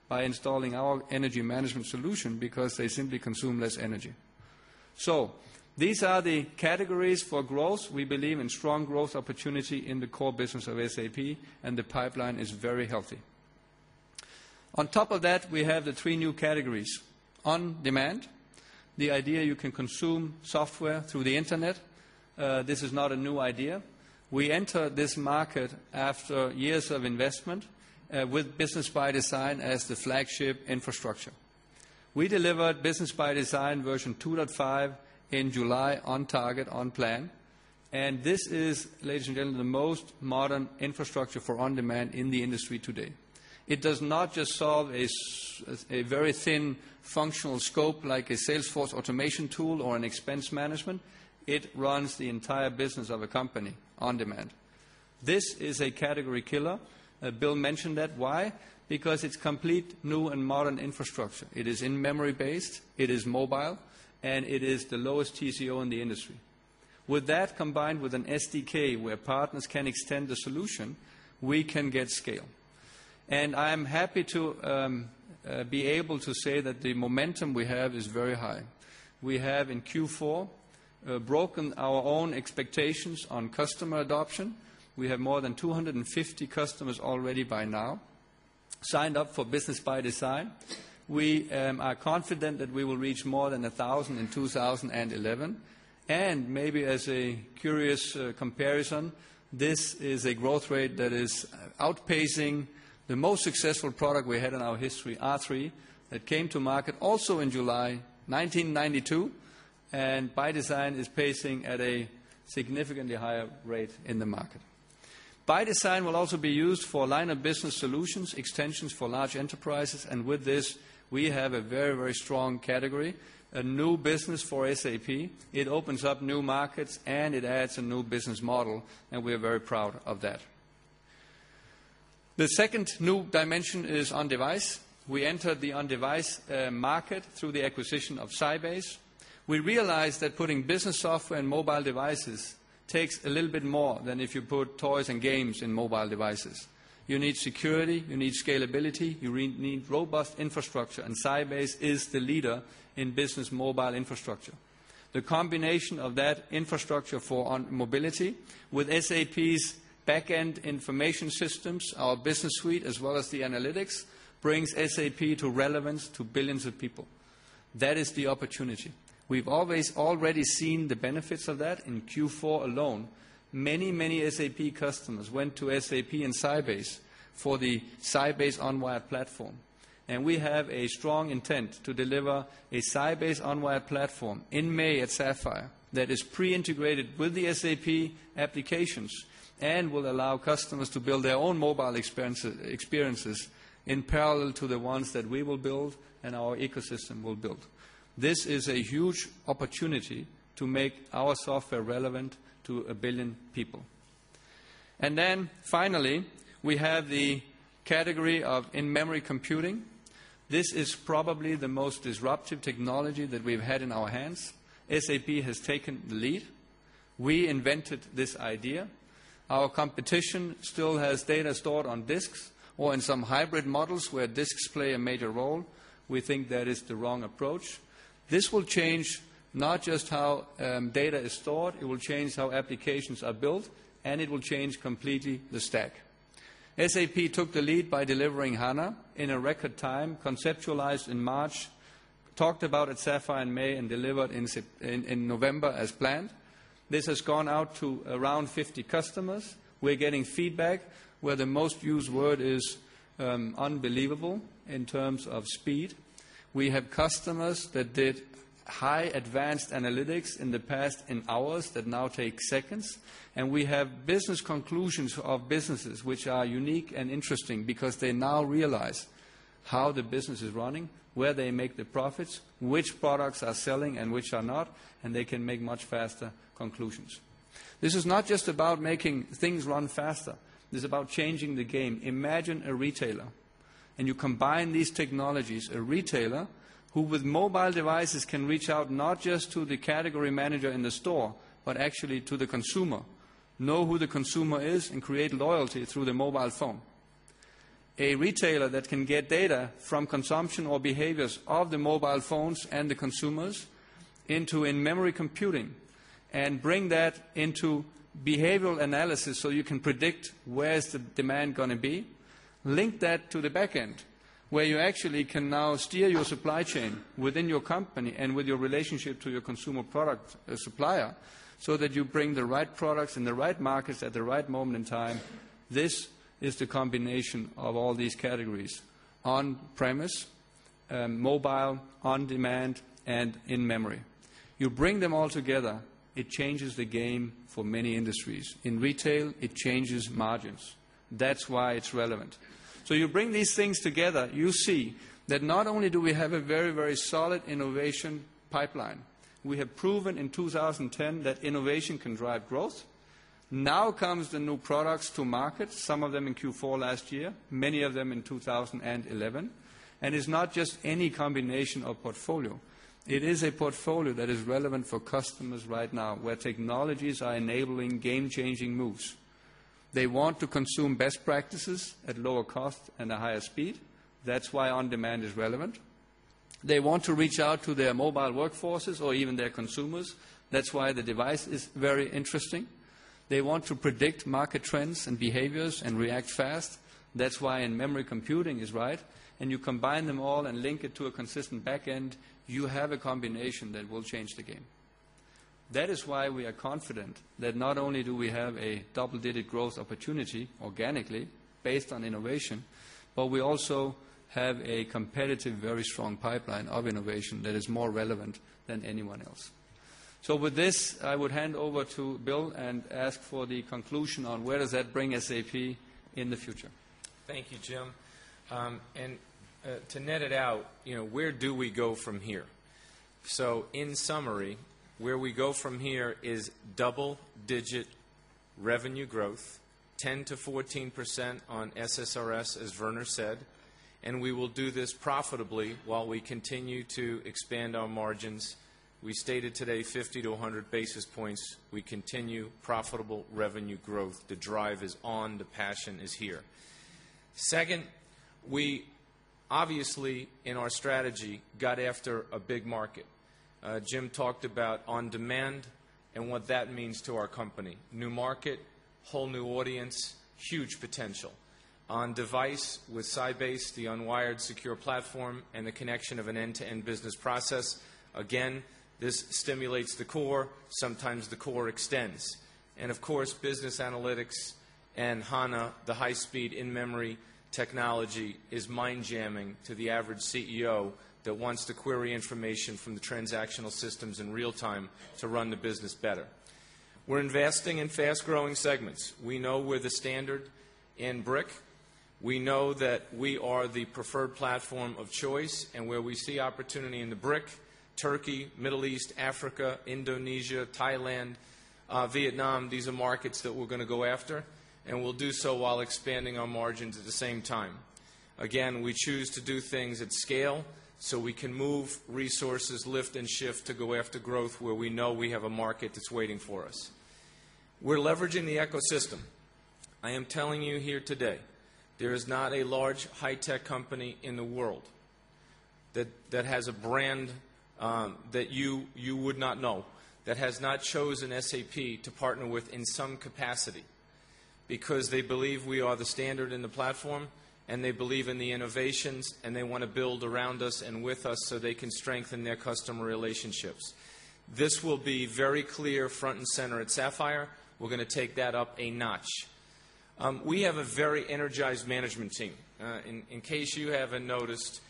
[SPEAKER 4] by installing our energy management solution because they simply consume less energy. So these are the categories for growth. We believe in strong growth opportunity in the core business of SAP, and the pipeline is very healthy. On top of that, we have the 3 new categories: On Demand, the idea you can consume software through the Internet. This is not a new idea. We entered this market after years of investment with Business by Design as the flagship infrastructure. We delivered Business by Design version 2.5 in July on target, on plan. And this is, ladies and gentlemen, the most modern infrastructure for on demand in the industry today. It does not just solve a very thin functional scope like a sales force automation tool or an expense management, it runs the entire business of a company on demand. This is a category killer. Bill mentioned that. Why? Because it's complete new and modern infrastructure. It is in memory based, it is mobile, and it is the lowest TCO in the industry. With that combined with an SDK where partners can extend the solution, we can get scale. And I am happy to be able to say that the momentum we have is very high. We have, in Q4, broken our own expectations on customer adoption. We have more than 2 50 customers already by now signed up for Business by Design. We are confident that we will reach more than 1,000 in 2011. And maybe as a curious comparison, this is a growth rate that is outpacing the most successful product we had in our history, R3, that came to market also in July 1992, and by design is pacing at a significantly higher rate in the market. By design will also be used for line of business solutions, extensions for large enterprises. And with this, we have a very, very strong category, a new business for SAP. It opens up new markets, and it adds a new business model, and we are very proud of that. The second new dimension is on device. We entered the on device market through the acquisition of Sybase. We realized that putting business software in mobile devices takes a little bit more than if you put toys and games in mobile devices. You need security, you need scalability, you need robust infrastructure, and Sybase is the leader in business mobile infrastructure. The combination of that infrastructure for mobility with SAP's back end information systems, our business suite as well as the analytics brings SAP to relevance to billions of people. That is the opportunity. We've always already seen the benefits of that in Q4 alone. Many, many SAP customers went to SAP and Sybase for the Sybase Unwired platform. And we have a strong intent to deliver a Sybase Unwired platform in May at SAPPHIRE that is pre integrated with the SAP applications and will allow with the SAP applications and will allow customers to build their own mobile experiences in parallel to the ones that we will build and our ecosystem will build. This is a huge opportunity to make our software relevant to a 1,000,000,000 people. And then finally, we have the category of in memory computing. This is probably the most disruptive technology that we've had in our hands. SAP has taken the lead. We invented this idea. Our competition still has data stored on disks or in some hybrid models where disks play a major role. We think that is the wrong approach. This will change not just how data is stored, it will change how applications are built, and it will change completely the stack. SAP took the lead by delivering HANA in a record time, conceptualized in March, talked about at Sapphire in May and delivered in November as planned. This has gone out to around 50 customers. We're getting feedback where the most used word is unbelievable in terms of speed. We have customers that did high advanced analytics in the past in hours that now take seconds. And we have business conclusions of businesses, which are unique and interesting because they now realize how the business is running, where they make the profits, which products are selling and which are not, and they can make much faster conclusions. This is not just about making things run faster. This is about changing the game. Imagine a retailer and you combine these technologies, a retailer who with mobile devices can reach out not just the category manager in the store, but actually to the consumer, know who the consumer is and create loyalty through the mobile phone. A retailer that can get data from consumption or behaviors of the mobile phones and the consumers into in memory computing and bring that into behavioral analysis so you can predict where is the demand going to be, link that to the back end where you actually can now steer your supply chain within your company and with your relationship to your consumer product supplier, so that you bring the right products in the right markets at the right moment in time. This is the combination of all these categories: on premise, mobile, on demand and in memory. You bring them all together, it changes the game for many industries. In retail, it changes margins. That's why it's relevant. So you bring these things together, you see that not only do we have a very, very solid innovation pipeline, we have proven in 2010 that innovation can drive growth. Now comes the new products to market, some of them in Q4 last year, many of them in 2011. And it's not just any combination of portfolio. It is a portfolio that is relevant for customers right now where technologies are enabling game changing moves. They want to consume best practices at lower cost and a higher speed. That's why on demand is relevant. They want to reach out to their mobile workforces or even their consumers. That's why the device is very interesting. They want to predict market trends and behaviors and react fast. That's why in memory computing is right, and you combine them all and link it to a consistent back end, you have a combination that will change the game. That is why we are confident that not only do we have a double digit growth opportunity organically based on innovation, but we also have a competitive, very strong pipeline of innovation that is more relevant than anyone else. So with this, I would hand over to Bill and ask for the conclusion on where does that bring SAP in the future.
[SPEAKER 3] Thank you, Jim. And to net it out, where do we go from here? So in summary, where we go from here is double digit revenue growth, 10% to 14% on SSRS, as Werner said, and we will do this profitably while we continue to expand our margins. We stated today 50 to 100 basis points. We continue profitable revenue growth. The drive is on. The passion is market. Jim talked about on demand and what that means to our company, new market, whole new audience, huge potential. On device with Sybase, the unwired secure platform and the connection of an end to end business process, Again, this stimulates the core, sometimes the core extends. And of course, business analytics and HANA, the high speed in memory technology, is mind jamming to the average CEO that wants to query information from the transactional systems in real time to run the business better. We're investing in fast growing segments. We know we're the standard in BRIC.
[SPEAKER 4] We know that we are the preferred platform of choice. And where we see opportunity in the BRIC, Turkey, Middle East,
[SPEAKER 3] and we'll do so while expanding our margins at the same time. Again, we choose to do things at scale, so we can move resources, lift and shift to go after growth where we know we have a market that's waiting for us. We're leveraging the ecosystem. I am telling you here today, there is not a large high-tech company in the world that has a brand that you would not know, that has not chosen SAP to partner with in some capacity because they believe we are the standard in the platform and they believe in the innovations and they want to build around us and with us so they can strengthen their customer relationships. This will be very clear front and center at SAPPHIRE. We're going to take that up a notch. We have a very energized management team. In case you haven't noticed,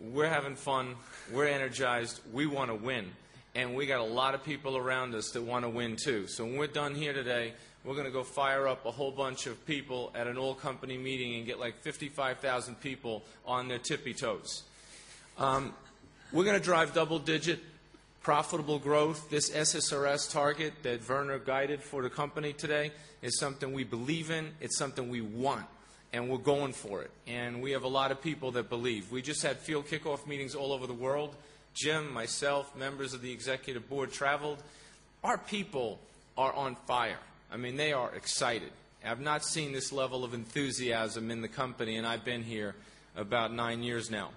[SPEAKER 3] we're having fun, energized, we want to win. And we got a lot of people around us that want to win, too. So when we're done here today, we're going to go fire up a whole bunch of people at an old company meeting target that Werner guided for the company today is something we believe in. It's something we want, and we're going for it. And we have a lot of people that believe. We just had field kickoff meetings all over the world. Jim, myself, members of the executive board traveled. Our people are on fire. I mean, they are excited. I have not seen this level of enthusiasm in the company, and I've been here about 9 years now.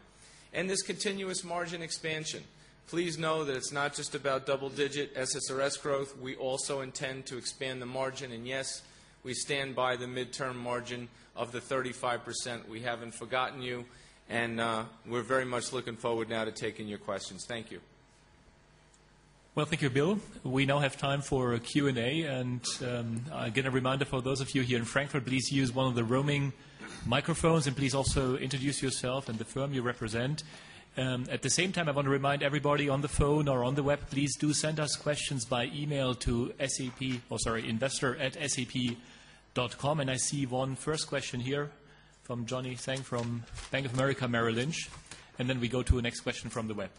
[SPEAKER 3] And this continuous margin expansion, please know that it's not just about double digit SSRS growth. We also intend to expand the margin. And yes, we stand by the midterm margin of the 35%. We haven't forgotten you, and we're very much looking forward now to taking your questions.
[SPEAKER 1] Thank you. Well, thank you, Bill. We now have time for Q and A. And again, a reminder for those of you here in Frankfurt, please use one of the roaming microphones and please also introduce yourself and the firm you represent. At the same time, I want to remind everybody on the phone or on the web, please do send us questions by e mail to SAP sorry, investor. Sap.com. And I see one first question here from Johnny Tseng from Bank of America Merrill Lynch. And then we go to the next question from the web.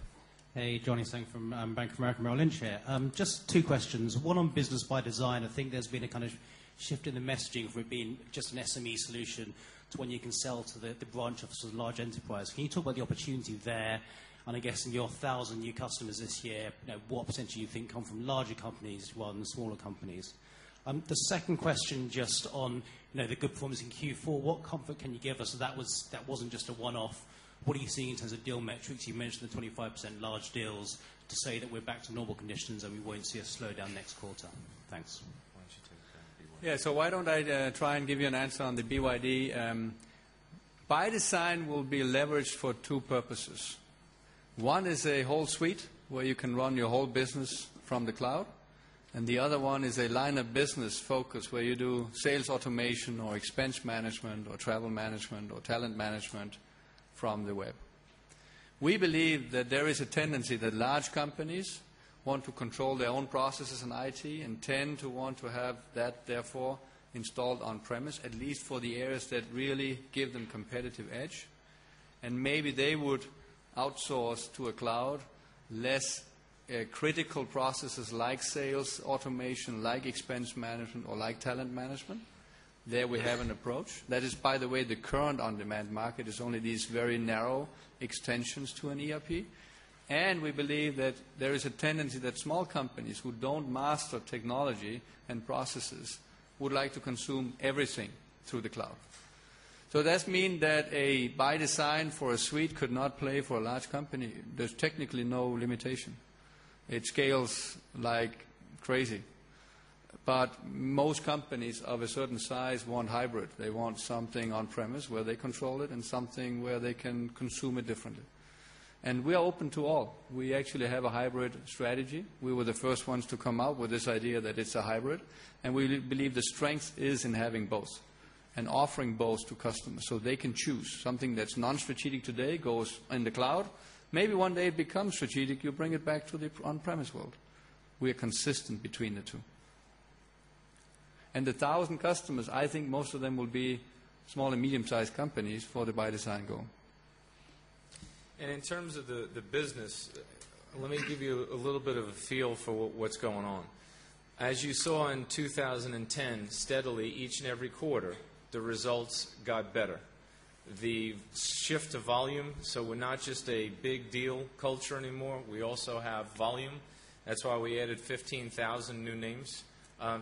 [SPEAKER 5] Johnny Tseng from Bank of America Merrill Lynch here. Just two questions. 1 on Business by Design. I think there's been a kind of shift in the messaging for being just an SME solution to when you can sell to the branch of sort of large enterprise. Can you talk about the opportunity there? And I guess in your 1,000 new customers this year, what percent do you think come from larger companies rather than smaller companies? The second question just on the good performance in Q4, what comfort can you give us that wasn't just a one off? What are you seeing in terms of deal metrics? You mentioned 25% large deals to say that we're back to normal conditions and we won't see a slowdown next quarter? Thanks.
[SPEAKER 4] So why don't I try and give you an answer on the BYD. By design, we'll be leveraged for 2 purposes. One is a whole suite where you can run your whole business from the cloud, and the other one is a line of business focus where you do sales automation or expense management or travel management or talent management from the web. We believe that there is a tendency that large companies want to control their own processes and IT and tend to want to have that, therefore, installed on premise, at least for the areas that really give them competitive edge. And maybe they would outsource to a cloud less critical processes like sales, automation, like expense management or like talent management. There, we have an approach. That is, by the way, the current on demand market. It's only these very narrow extensions to an ERP. And we believe that there is a tendency that small companies who don't master technology and processes would like to consume everything through the cloud. So that means that a by design for a suite could not play for a large company. There's technically no limitation. It scales like crazy. But most companies of a certain size want hybrid. They want something on premise where they control it and something where they can consume it differently. And we are open to all. We actually have a hybrid strategy. We were the first ones to come out with this idea that it's a hybrid. And we believe the strength is in having both and offering both to customers so they can choose. Something that's nonstrategic today goes in the cloud. Maybe one day it becomes strategic, you bring it back to the on premise world. We are consistent between the 2. And the 1,000 customers, I think most of them will be small and medium sized companies for the by design goal.
[SPEAKER 3] And in terms of the business, let me give you a little bit of a feel for what's going on. As you saw in 2010, steadily, each every quarter, the results got better. The shift to volume, so we're not just a big deal culture anymore, we also have volume. That's why we added 15,000 new names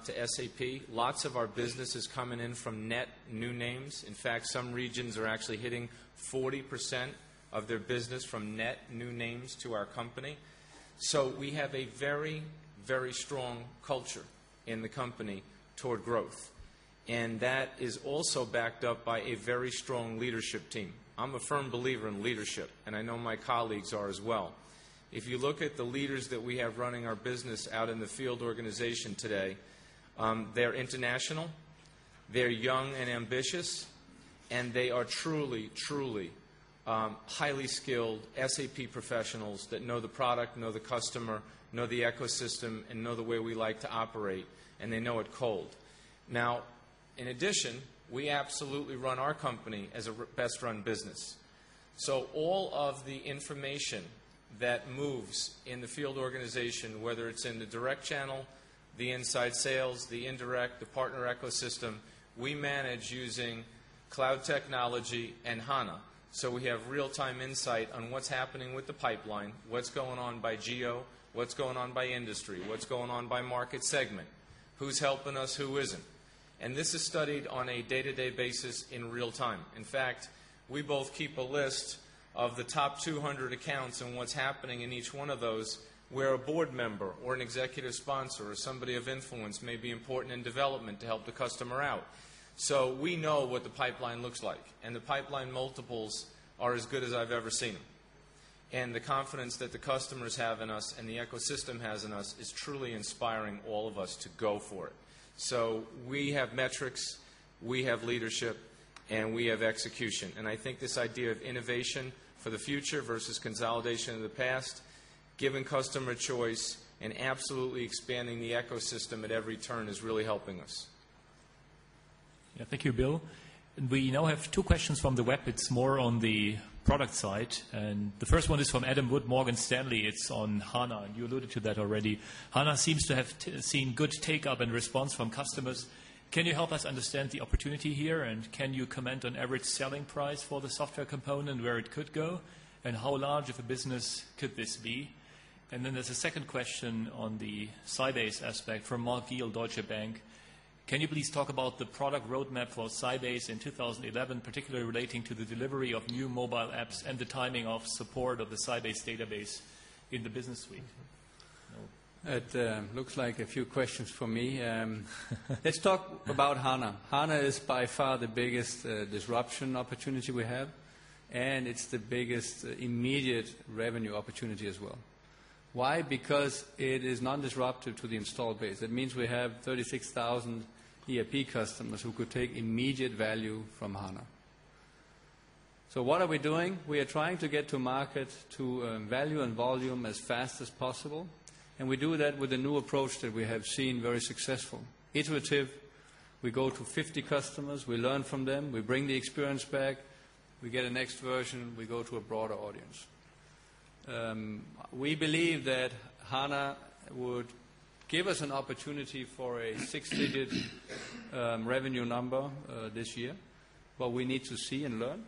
[SPEAKER 3] to SAP. Lots of our business is coming in from net new names. In fact, some regions are actually hitting 40% of their business from net new names to our company. So we have a very, very strong culture in the company toward growth. And that is also backed up by a very strong leadership team. I'm a firm believer in leadership, and I know my colleagues are as well. If you look at the leaders that we have running our business out in the field organization today, they're international, they're young and ambitious, and they are truly, truly highly skilled SAP professionals that know the product, know the customer, know the ecosystem and know the way we like to operate, and they know it cold. Now in addition, we absolutely run our company as a best run business. So all of the information that moves in the field organization, whether it's in the direct channel, the inside sales, the indirect, the partner ecosystem. We manage using cloud technology and HANA. So we have real time insight on what's happening with the pipeline, what's going on by geo, what's going on by industry, what's going on by market segment, who's helping us, who isn't. And this is studied on a day to day basis in real time. In fact, we both keep a list of the top 200 accounts and what's happening in each one of those where a board member or an executive sponsor, somebody of influence may be important in development to help the customer out. So we know what the pipeline looks like, and the pipeline multiples are as good as I've ever seen. And the confidence that the customers have in us and the ecosystem has in us is truly inspiring all of us to go for it. So we have metrics, we have leadership, and we have execution. And I think this idea of innovation for the future versus consolidation of the past, given customer choice and absolutely expanding the ecosystem at every turn is really helping us.
[SPEAKER 1] Thank you, Bill. We now have 2 questions from the web. It's more on the product side. And the first one is from Adam Wood, Morgan Stanley. It's on HANA. And you alluded to that already. HANA seems to have seen good take up and response from customers. Can you help us understand the opportunity here? And can you comment on average selling price for the software component where it could go? And how large of a business could this be? And then there's a second question of particularly relating to the delivery of new mobile apps and the timing of support of the Sybase database in the business suite?
[SPEAKER 4] It looks like a few questions for me. Let's talk about HANA. HANA is by far the biggest disruption opportunity we have, and it's the biggest immediate revenue opportunity as well. Why? Because it is non disruptive to the installed base. It means we have 36,000 ERP customers who could take immediate value from HANA. So what are we doing? We are trying to get to market to value and volume as fast as possible, and we do that with a new approach that we have seen very successful. Iterative, we go to 50 customers, we learn from them, we bring the experience back, we get a next version, we go to a broader audience. We believe that HANA would give us an opportunity for a 6 digit revenue number this year, but we need to see and learn.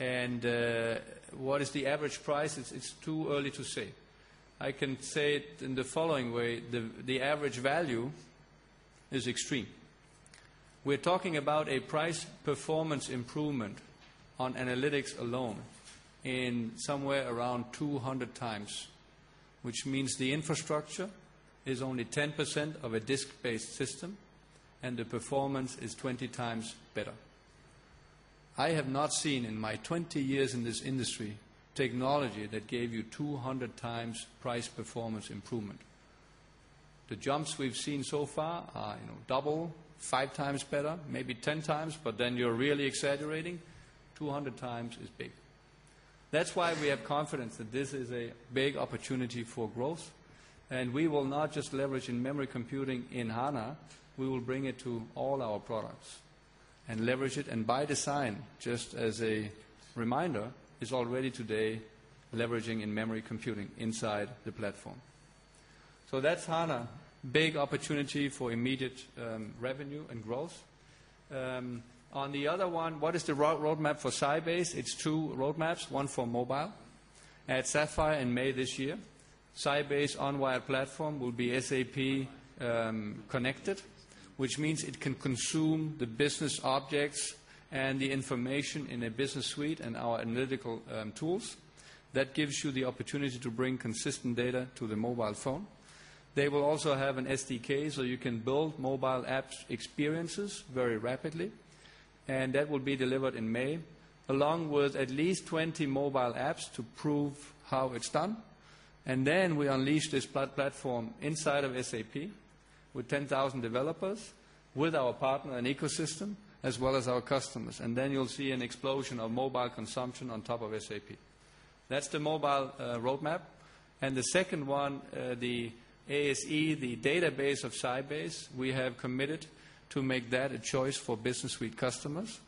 [SPEAKER 4] And what is the average price? It's too early to say. I can say it in the following way: the average value is extreme. We're talking about a price performance improvement on analytics alone in somewhere around 200x, which means the infrastructure is only 10% of a disk based system and the performance is 20 times better. I have not seen in my 20 years in this industry technology that gave you 200 times price performance improvement. The jumps we've seen so far are double, 5 times better, maybe 10 times, but then you're really exaggerating, 200 times is big. That's why we have confidence that this is a big opportunity for growth. And we will not just leverage in memory computing in HANA, we will bring it to all our products and leverage it. And by design, just as a reminder, is already today leveraging in memory computing inside the platform. So that's HANA, big opportunity for immediate revenue and growth. On the other one, what is the road map for Sybase? It's 2 road maps, 1 for mobile. I had SAPPHIRE in May this year. Sybase on wire platform will be SAP connected, which means it can consume the business objects and the information in a business suite and our analytical tools. That gives you the opportunity to bring consistent data to the mobile phone. They will also have an SDK, so you can build mobile apps experiences very rapidly, and that will be delivered in May, along with at least 20 mobile apps to prove how it's done. And then we unleash this platform inside of SAP with 10,000 developers with our partner and ecosystem as well as our customers. And then you'll see an explosion of mobile consumption on top of SAP. That's the mobile road map. And the second one, the ASE, the database of Sybase, we have committed to make that a choice for Business Suite customers.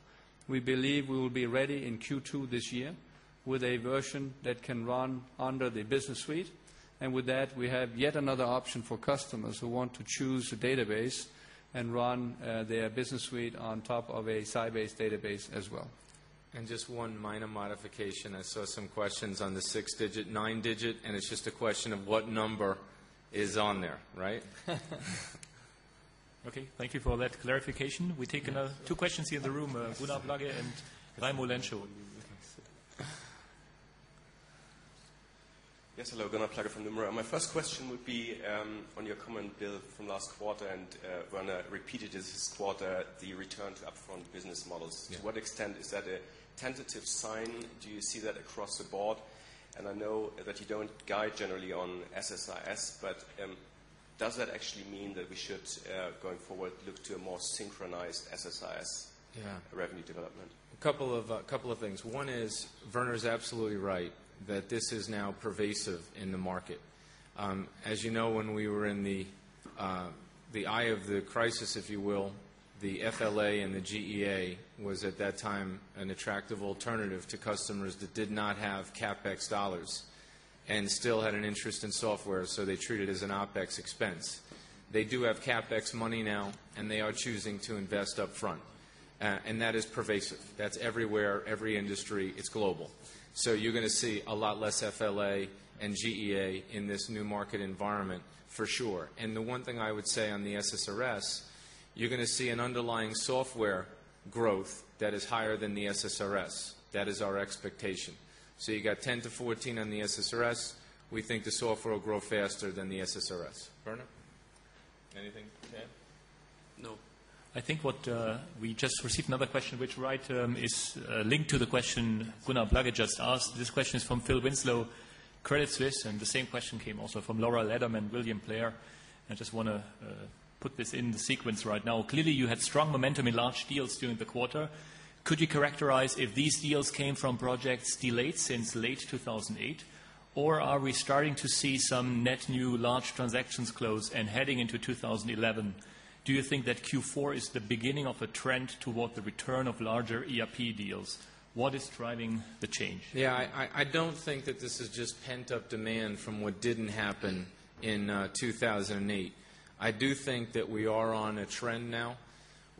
[SPEAKER 4] We believe we will be ready in Q2 this year with a version that can run under the Business Suite. And with that, we have yet another option for customers who want to choose a database and run their Business Suite on top of a Sybase database as well.
[SPEAKER 3] And just one minor modification. I saw some questions on the 6 digit, 9 digit, and it's just a question of what number is on there, right?
[SPEAKER 1] Okay. Thank you for that clarification. We've taken 2 questions here in the room, Gunnar Plage and Raimo Lenschow.
[SPEAKER 6] Yes. Hello, Gunnar Plakge from Nomura. My first question would be on your comment, Bill, from last quarter and Werner repeated this quarter the return to upfront business models. To what extent is that a tentative sign? Do you see that across the board? And I know that you don't guide generally on SSIS, but does that actually mean that we should, going forward, look to a more synchronized SSIS revenue development? Yes.
[SPEAKER 3] Couple of things. One is Werner is absolutely right that this is now pervasive in the market. As you know, when we were in the eye of the crisis, if you will, the FLA and the GEA was at that time an attractive alternative to customers that did not have CapEx dollars and still had an interest in software, so they treat it as an OpEx expense. They do have CapEx money now, and they are choosing to invest upfront. And that is pervasive. That's everywhere, every industry. It's global. So you're going to see a lot less FLA and GEA in this new market environment for sure. And the one thing I would say on the SSRS, you're going to see an underlying software growth that is higher than the SSRS. That is our expectation. So you got 10% to 14% on the SSRS. We think the software will grow faster than the SSRS. Werner,
[SPEAKER 4] anything to add?
[SPEAKER 1] No. I think what we just received another question, which right term is linked to the question Gunnar Blage just asked. This question is from Phil Winslow, Credit Suisse and the same question came also from Laura Lederman, William Blair. I just want to put this in the sequence right now. Clearly, you had strong momentum in large deals during the quarter. Could you characterize if these deals came from projects delayed since late 2008? Or are we starting to see some net new large transactions close and heading into 2011? Do you think that Q4 is the beginning of a trend toward the return of larger ERP deals? What is driving the change?
[SPEAKER 3] Yes, I don't think that this is just pent up demand from what didn't happen in 2,008. I do think that we are on a trend now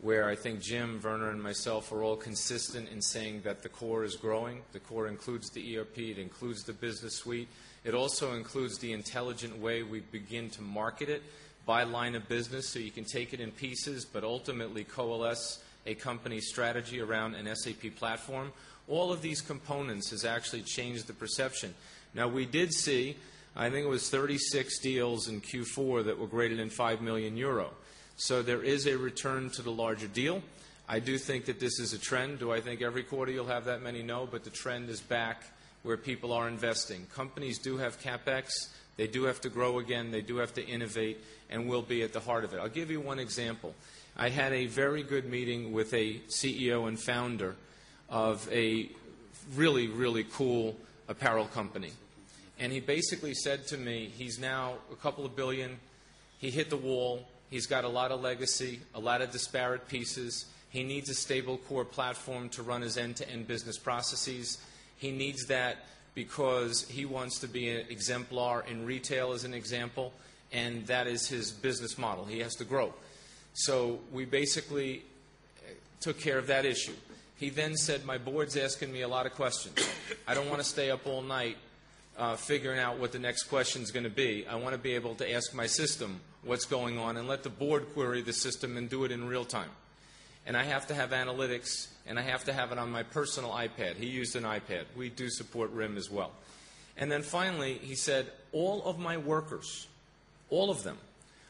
[SPEAKER 3] where I think Jim, Werner and myself are all consistent in saying that the core is growing. The core includes the ERP. It includes the business suite. It also includes the intelligent way we begin to market it by line of business, so you can take it in pieces, but ultimately coalesce a company strategy around an SAP platform. All of these components has actually changed the perception. Now we did see, I think it was 36 deals in Q4 that were greater than €5,000,000 So there is a return to the larger deal. I do think that this is a trend. Do I think every quarter you'll have that many? No, but the trend is back where people are investing. Companies do have CapEx. They do have to grow again. They do have to innovate, and we'll be at the heart of it. I'll give you one example. I had a very good meeting with a CEO and founder of a really, really cool apparel company. And he basically said to me, he's now a couple of 1,000,000,000, He hit the wall. He's got a lot of legacy, a lot of disparate pieces. He needs a stable core platform to run his end to end business processes. He needs that because he wants to be an exemplar in retail as an example, and that is his business model. He has to grow. So we basically took care of that issue. He then said, My board's asking me a lot of questions. I don't want to stay up all night figuring out what the next question is going to be. I want to be able to ask my system what's going on and let the board query the system and do it in real time. And I have to have analytics, and I have to have it on my personal iPad. He used an iPad. We do support RIM as well. And then finally, he said, all of my workers, all of them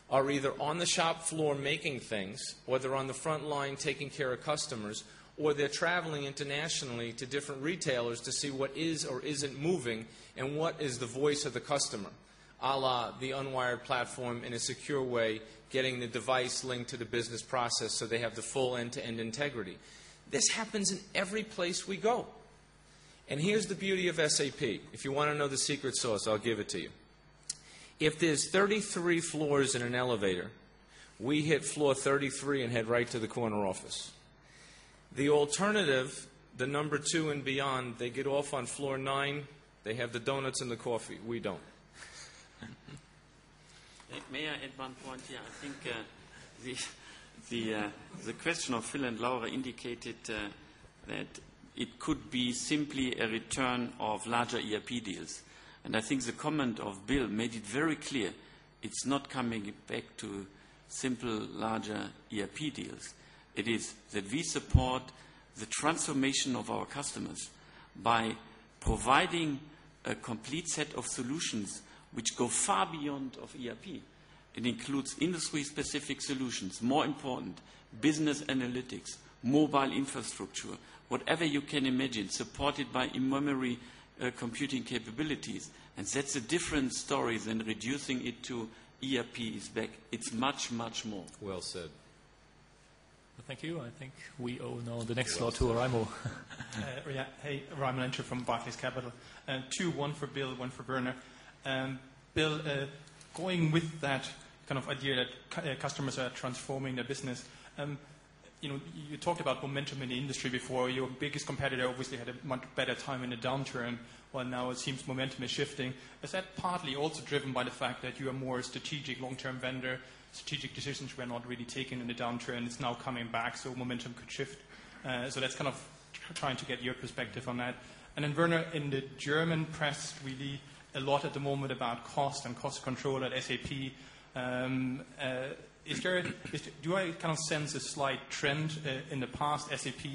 [SPEAKER 3] are either on the shop floor making things, whether on the front line taking care of customers, or they're traveling internationally to different retailers to see what is or isn't moving and what is the voice of the customer, a la the unwired platform in a secure way, getting the device linked to the business process so they have the full end to end integrity. This happens in every place we go. And here's the beauty of SAP. If you want to know the secret sauce, I'll give it to you. If there's 33 floors in an elevator, we hit floor 33 and head right to the corner office. The alternative, the number 2 and beyond, they get off on floor 9, they have the donuts and the coffee, we don't.
[SPEAKER 2] May I add one point here? I think the question of Phil and Laura indicated that it could be simply a return of larger ERP deals. And I think the comment of Bill made it very clear, it's not coming back to simple, larger ERP deals. It is that we support the transformation of our customers by providing set of solutions, which go far beyond of ERP. It includes industry specific solutions, more important, business analytics, mobile infrastructure, whatever you can imagine, supported by memory computing capabilities. And sets a different story than reducing it to ERP is back. It's much, much more.
[SPEAKER 3] Well said.
[SPEAKER 1] Thank you. I think we owe now the next slot to Raimo.
[SPEAKER 7] Raimo Lenschow from Barclays Capital. 2, one for Bill, one for Werner. Bill, going with that kind of idea that customers are transforming their business, you talked about momentum in the industry before. Your biggest competitor obviously had a much better time in a downturn, while now it seems momentum is shifting. Is that partly also driven by the fact that you are more strategic long term vendor, strategic decisions were not really taken in the downturn, it's now coming back, so momentum could shift. So that's kind of trying to get your perspective on that. And then Werner, in the German press, really a lot at the moment about cost and cost control at SAP. Is there do I kind of sense a slight trend in the past SAP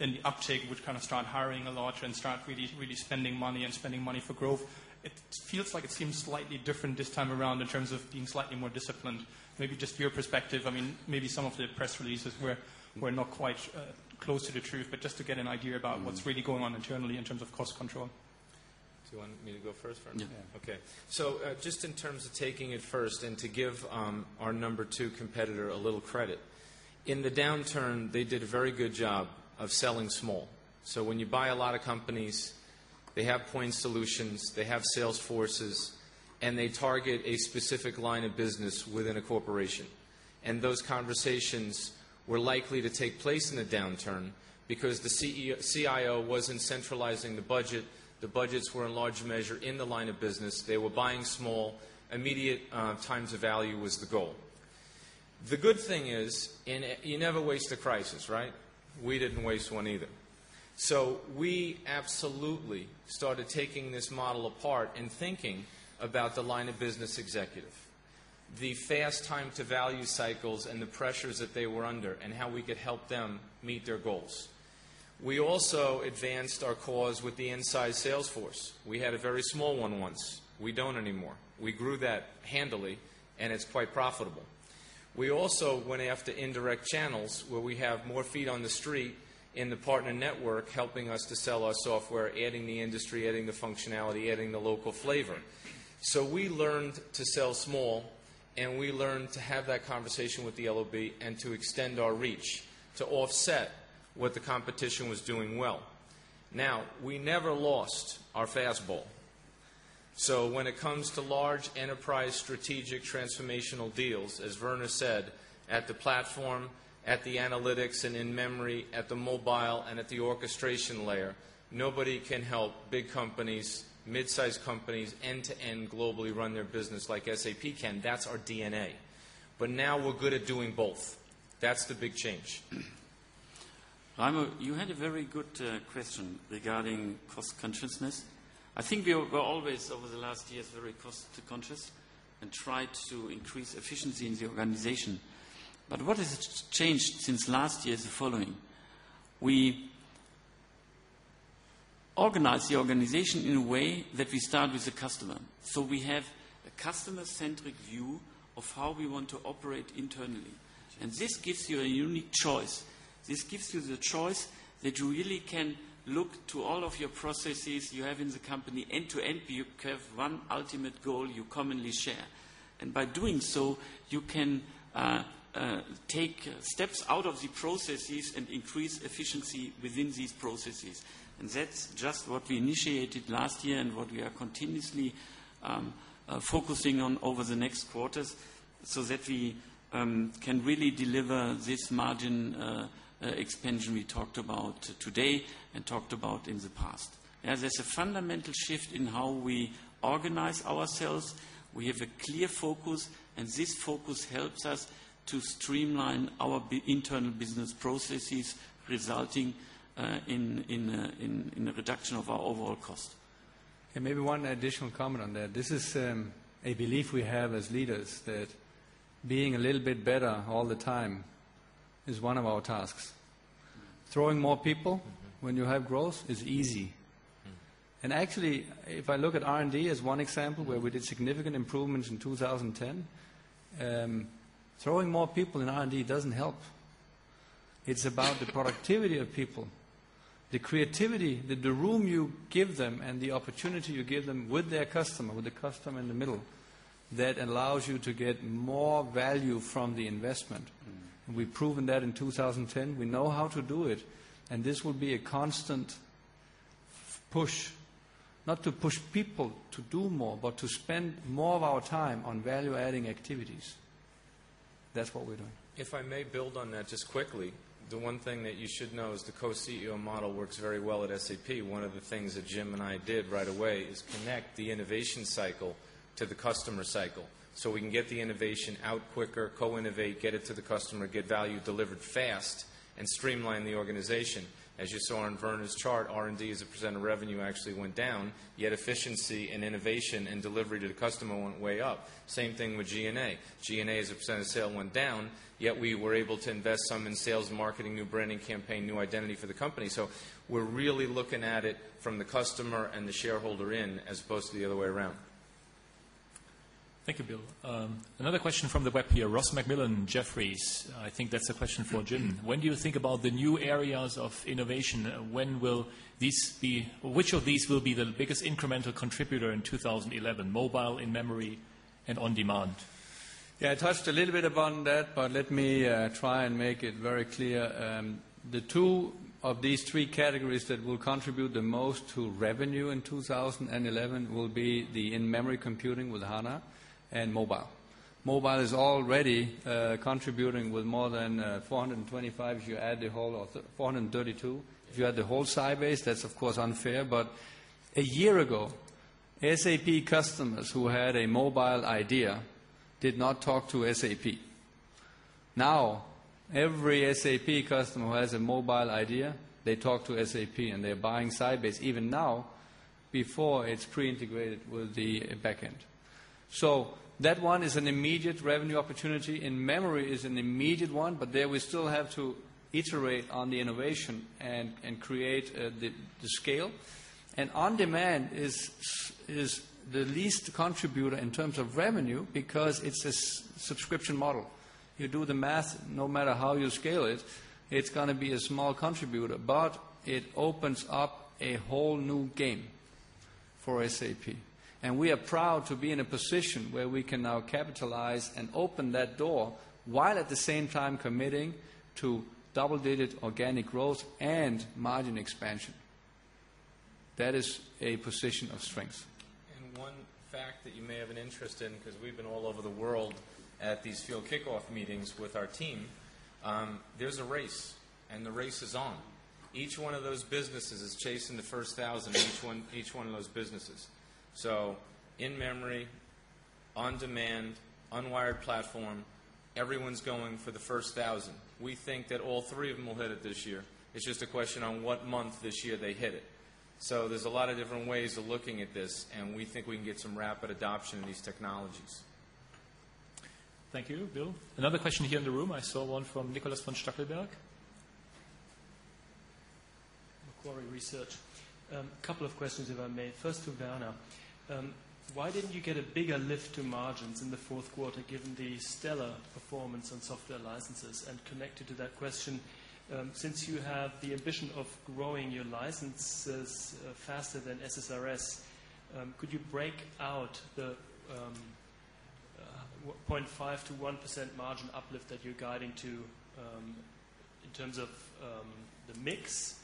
[SPEAKER 7] and the uptick would kind of start hiring a lot and start really spending money and spending money for growth? It feels like it seems slightly different this time around in terms of being slightly more disciplined. Maybe just for your perspective, I mean, maybe some of the press releases were not quite close to the truth, but just to get an idea about what's really going on internally in terms of cost control?
[SPEAKER 3] Do you want me to go first, Vern? Yes. Okay. So just in terms of taking it first and to give our number 2 competitor a little credit, In the downturn, they did a very good job of selling small. So when you buy a lot of companies, they have point solutions, they have sales forces, and they target a specific line of business within a corporation. And those conversations were likely to take place in the downturn because the CIO wasn't centralizing the budget. The budgets were in large measure in the line of business. They were buying small. Immediate times of value was the goal. The good thing is you never waste a crisis, right? We didn't waste one either. So we absolutely started taking this model apart and thinking about the line of business executive, the fast time to value cycles and the pressures that they were under and how we could help them meet their goals. We also advanced our cause with the inside sales force. We had a very small one once. We don't anymore. We grew that handily and it's quite profitable. We also went after indirect channels where we have more feet on the street in the partner network helping us to sell our software, adding the industry, adding the functionality, adding the local flavor. So we learned to sell small and we learned to have that conversation with the LOB and to extend our reach to offset what the competition was doing well. Now we never lost our fastball. So when it comes to large enterprise strategic transformational deals, as Werner said, at the platform, at the analytics and in memory, at the mobile and at the orchestration layer, nobody can help big companies, midsized companies end to end globally run their business like SAP can. That's our DNA. But now we're good at doing both. That's the big change.
[SPEAKER 2] Raimo, you had a very good question regarding cost consciousness. I think we were always, over the last years, very cost conscious and tried to increase efficiency in the organization. But what has changed since last year is the following. We organize the organization in a way that we start with the customer. We have a customer centric view of how we want to operate internally. And this gives you a unique choice. This gives you the choice that you really can look to all of your processes you have in
[SPEAKER 4] the company end to end. You have one ultimate goal you commonly share. And by doing so,
[SPEAKER 2] you can processes and increase efficiency within these processes. And that's just what we initiated last year and what we are continuously focusing on over the next quarters so that we can really deliver this margin expansion we talked about today and talked about in the past. As there's a fundamental shift in how we organize ourselves, we have a clear focus, and this focus helps us to streamline our internal business processes, resulting in the reduction of our overall cost.
[SPEAKER 4] Maybe one additional comment on that. This is a belief we have as leaders that being a little bit better all the time is one of our tasks. Throwing more people when you have growth is easy. And actually, if I look at R and D as one example, where we did significant improvements in 2010, throwing more people in R and D doesn't help. It's about the productivity of people, the creativity, the room you give them and the opportunity you give them with their customer, with the customer in the middle, that allows you to get more value from the investment. And we've proven that in 2010. We know how to do it. And this will be a constant push, not to push people to do more, but to spend more of our time on value adding activities. That's what we're doing.
[SPEAKER 3] If I may build on that just quickly, the one thing that you should know is the co CEO model works very well at SAP. One of the things that Jim and I did right away is connect the innovation cycle to the customer cycle. So we can get the innovation out quicker, co innovate, get it to the customer, get value delivered fast and streamline the organization. As you saw in Werner's chart, R and D as a percent of revenue actually went down, yet efficiency and innovation and delivery to the customer went way up. Same thing with G and A. G and A as a percent of sale went down, yet we were able to invest some in sales, marketing, new branding campaign, new identity for the company. So we're really looking at it from the customer and the shareholder in as opposed to the other way around.
[SPEAKER 1] Thank you, Bill. Another question from the web here, Ross MacMillan, Jefferies. I think that's a question for Jim. When do you think about the new areas of innovation? When will these be which of these will be the incremental contributor in 2011, mobile, in memory and on demand?
[SPEAKER 4] Yes, I touched a little bit upon that, but let me try and make it very clear. The 2 of these 3 categories that will contribute the most to revenue in 2011 will be the in memory computing with HANA and mobile. Mobile is already contributing with more than 425 if you add the whole of the 432. If you add the whole Sybase, that's of course unfair. But a year ago, SAP customers who had a mobile idea did not talk to SAP. Now every SAP customer has a mobile idea, they talk to SAP and they're buying Sybase. Even now, before, it's pre integrated with the back end. So that one is an immediate revenue opportunity. In memory, it's an immediate one, but there, we still have to iterate on the innovation and create the scale. And on demand is the least contributor in terms of revenue because it's a subscription model. You do the math, no matter how you scale it, it's going to be a small contributor, but it opens up a whole new game for SAP. And we are proud to be in a position where we can now capitalize and open that door, while at the same time committing to double digit organic growth and margin expansion. That is a position of strength.
[SPEAKER 3] And one fact that you may have an interest in because we've been all over the world at these field kickoff meetings with our team, there's a race and the race is on. Each one of those businesses is chasing the first 1,000 in each one of those businesses. So in memory, on demand, unwired platform, everyone's going for the first 1,000. We think that all 3 of them will hit it this year. It's just a question on what month this year they hit it. So there's a lot of different ways of looking at this, and we think we can get some rapid adoption in these technologies.
[SPEAKER 1] Thank you, Bill. Another question here
[SPEAKER 3] in the room.
[SPEAKER 1] I saw one from Nicholas von Stackelberg.
[SPEAKER 8] Macquarie Research. A couple of questions, if I may. First to Werner. Why didn't you get a bigger lift to margins in the 4th quarter given the stellar performance on software licenses? And connected to that question, since you have the ambition of growing your licenses faster than SSRS, could you break out the 0.5% to 1% margin uplift that you're guiding to in terms of the mix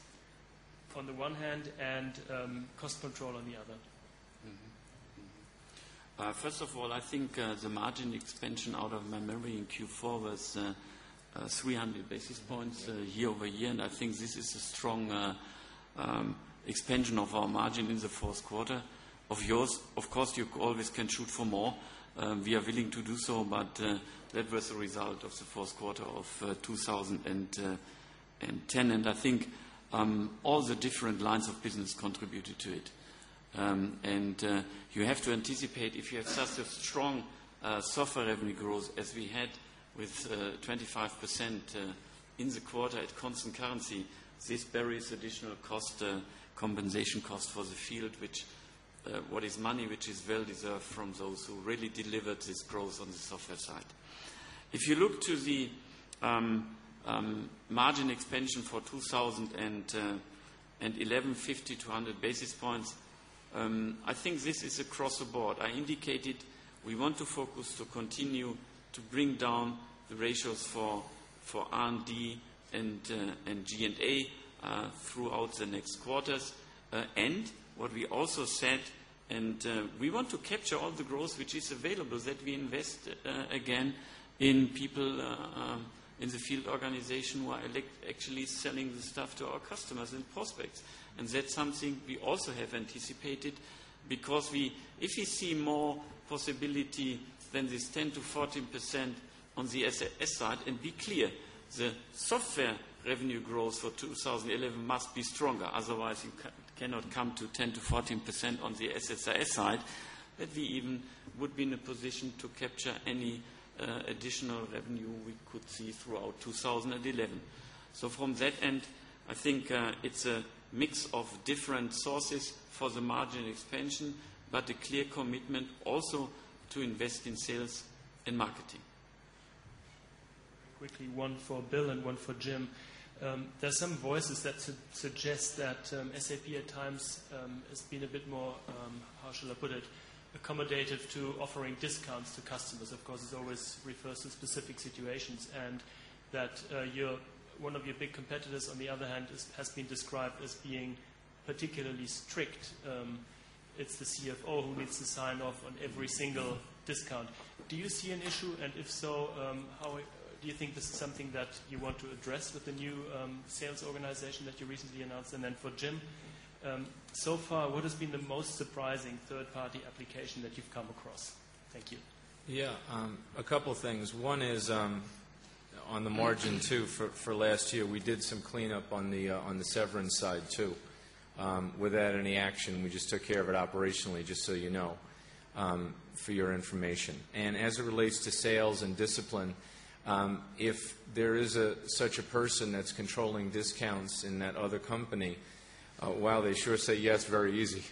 [SPEAKER 8] on the one hand and cost control on the other?
[SPEAKER 2] First of all, I think 1st of all, I think the margin expansion out of my memory in Q4 was 300 basis points year over year, and I think this is a strong expansion of our margin in the Q4 of yours. Of course, you always can shoot for more. We are willing to do so, but that was a result of the Q4 of 2010. And I think all the different lines of business contributed to it. And you have to anticipate if you have such a strong software revenue growth as we had with 25% in the quarter at constant currency, this varies additional cost compensation cost for the field, which what is money, which is well deserved from those who really delivered this growth on the software side. If you look to the margin expansion for 2011, 50 basis points, 200 basis points, I think this is across the board. I indicated we want to focus to continue to bring down the ratios for R and D and G and A throughout the next quarters. And what we also said, and we want to capture all the growth which is available that we invest again in people in the field organization while actually selling the stuff to our customers and prospects. And that's something we also have anticipated because we if you see more possibility than this 10% to 14% on the asset side and be clear, the software revenue growth for 2011 must be stronger. Otherwise, you cannot come to 10% to 14% on the SSIS side, but we even would be in a position to capture any additional revenue we could see throughout 2011. So from that end, I think it's a mix of different sources for the margin expansion, but a clear commitment also to invest in sales and marketing.
[SPEAKER 8] At times has been a bit more, how should I put it, accommodative to offering discounts to customers. Of course, it always refers to specific situations and that your one of your big competitors on the other hand has been described as being particularly strict. It's the CFO who needs to sign off on every single discount. Do you see an issue? And if so, how do you think this is something that you want to address with the new sales organization that you recently announced? Then for Jim, so far, what has been the most surprising third party application that you've come across? Thank you.
[SPEAKER 3] Yes. A couple things. One is on the margin too for last year. We did some cleanup on the severance side too without any action. We just took care of it operationally, just so you know, for your information. And as it relates to sales and discipline, if there is such a person that's controlling discounts in that other company, while they sure say yes, very easy,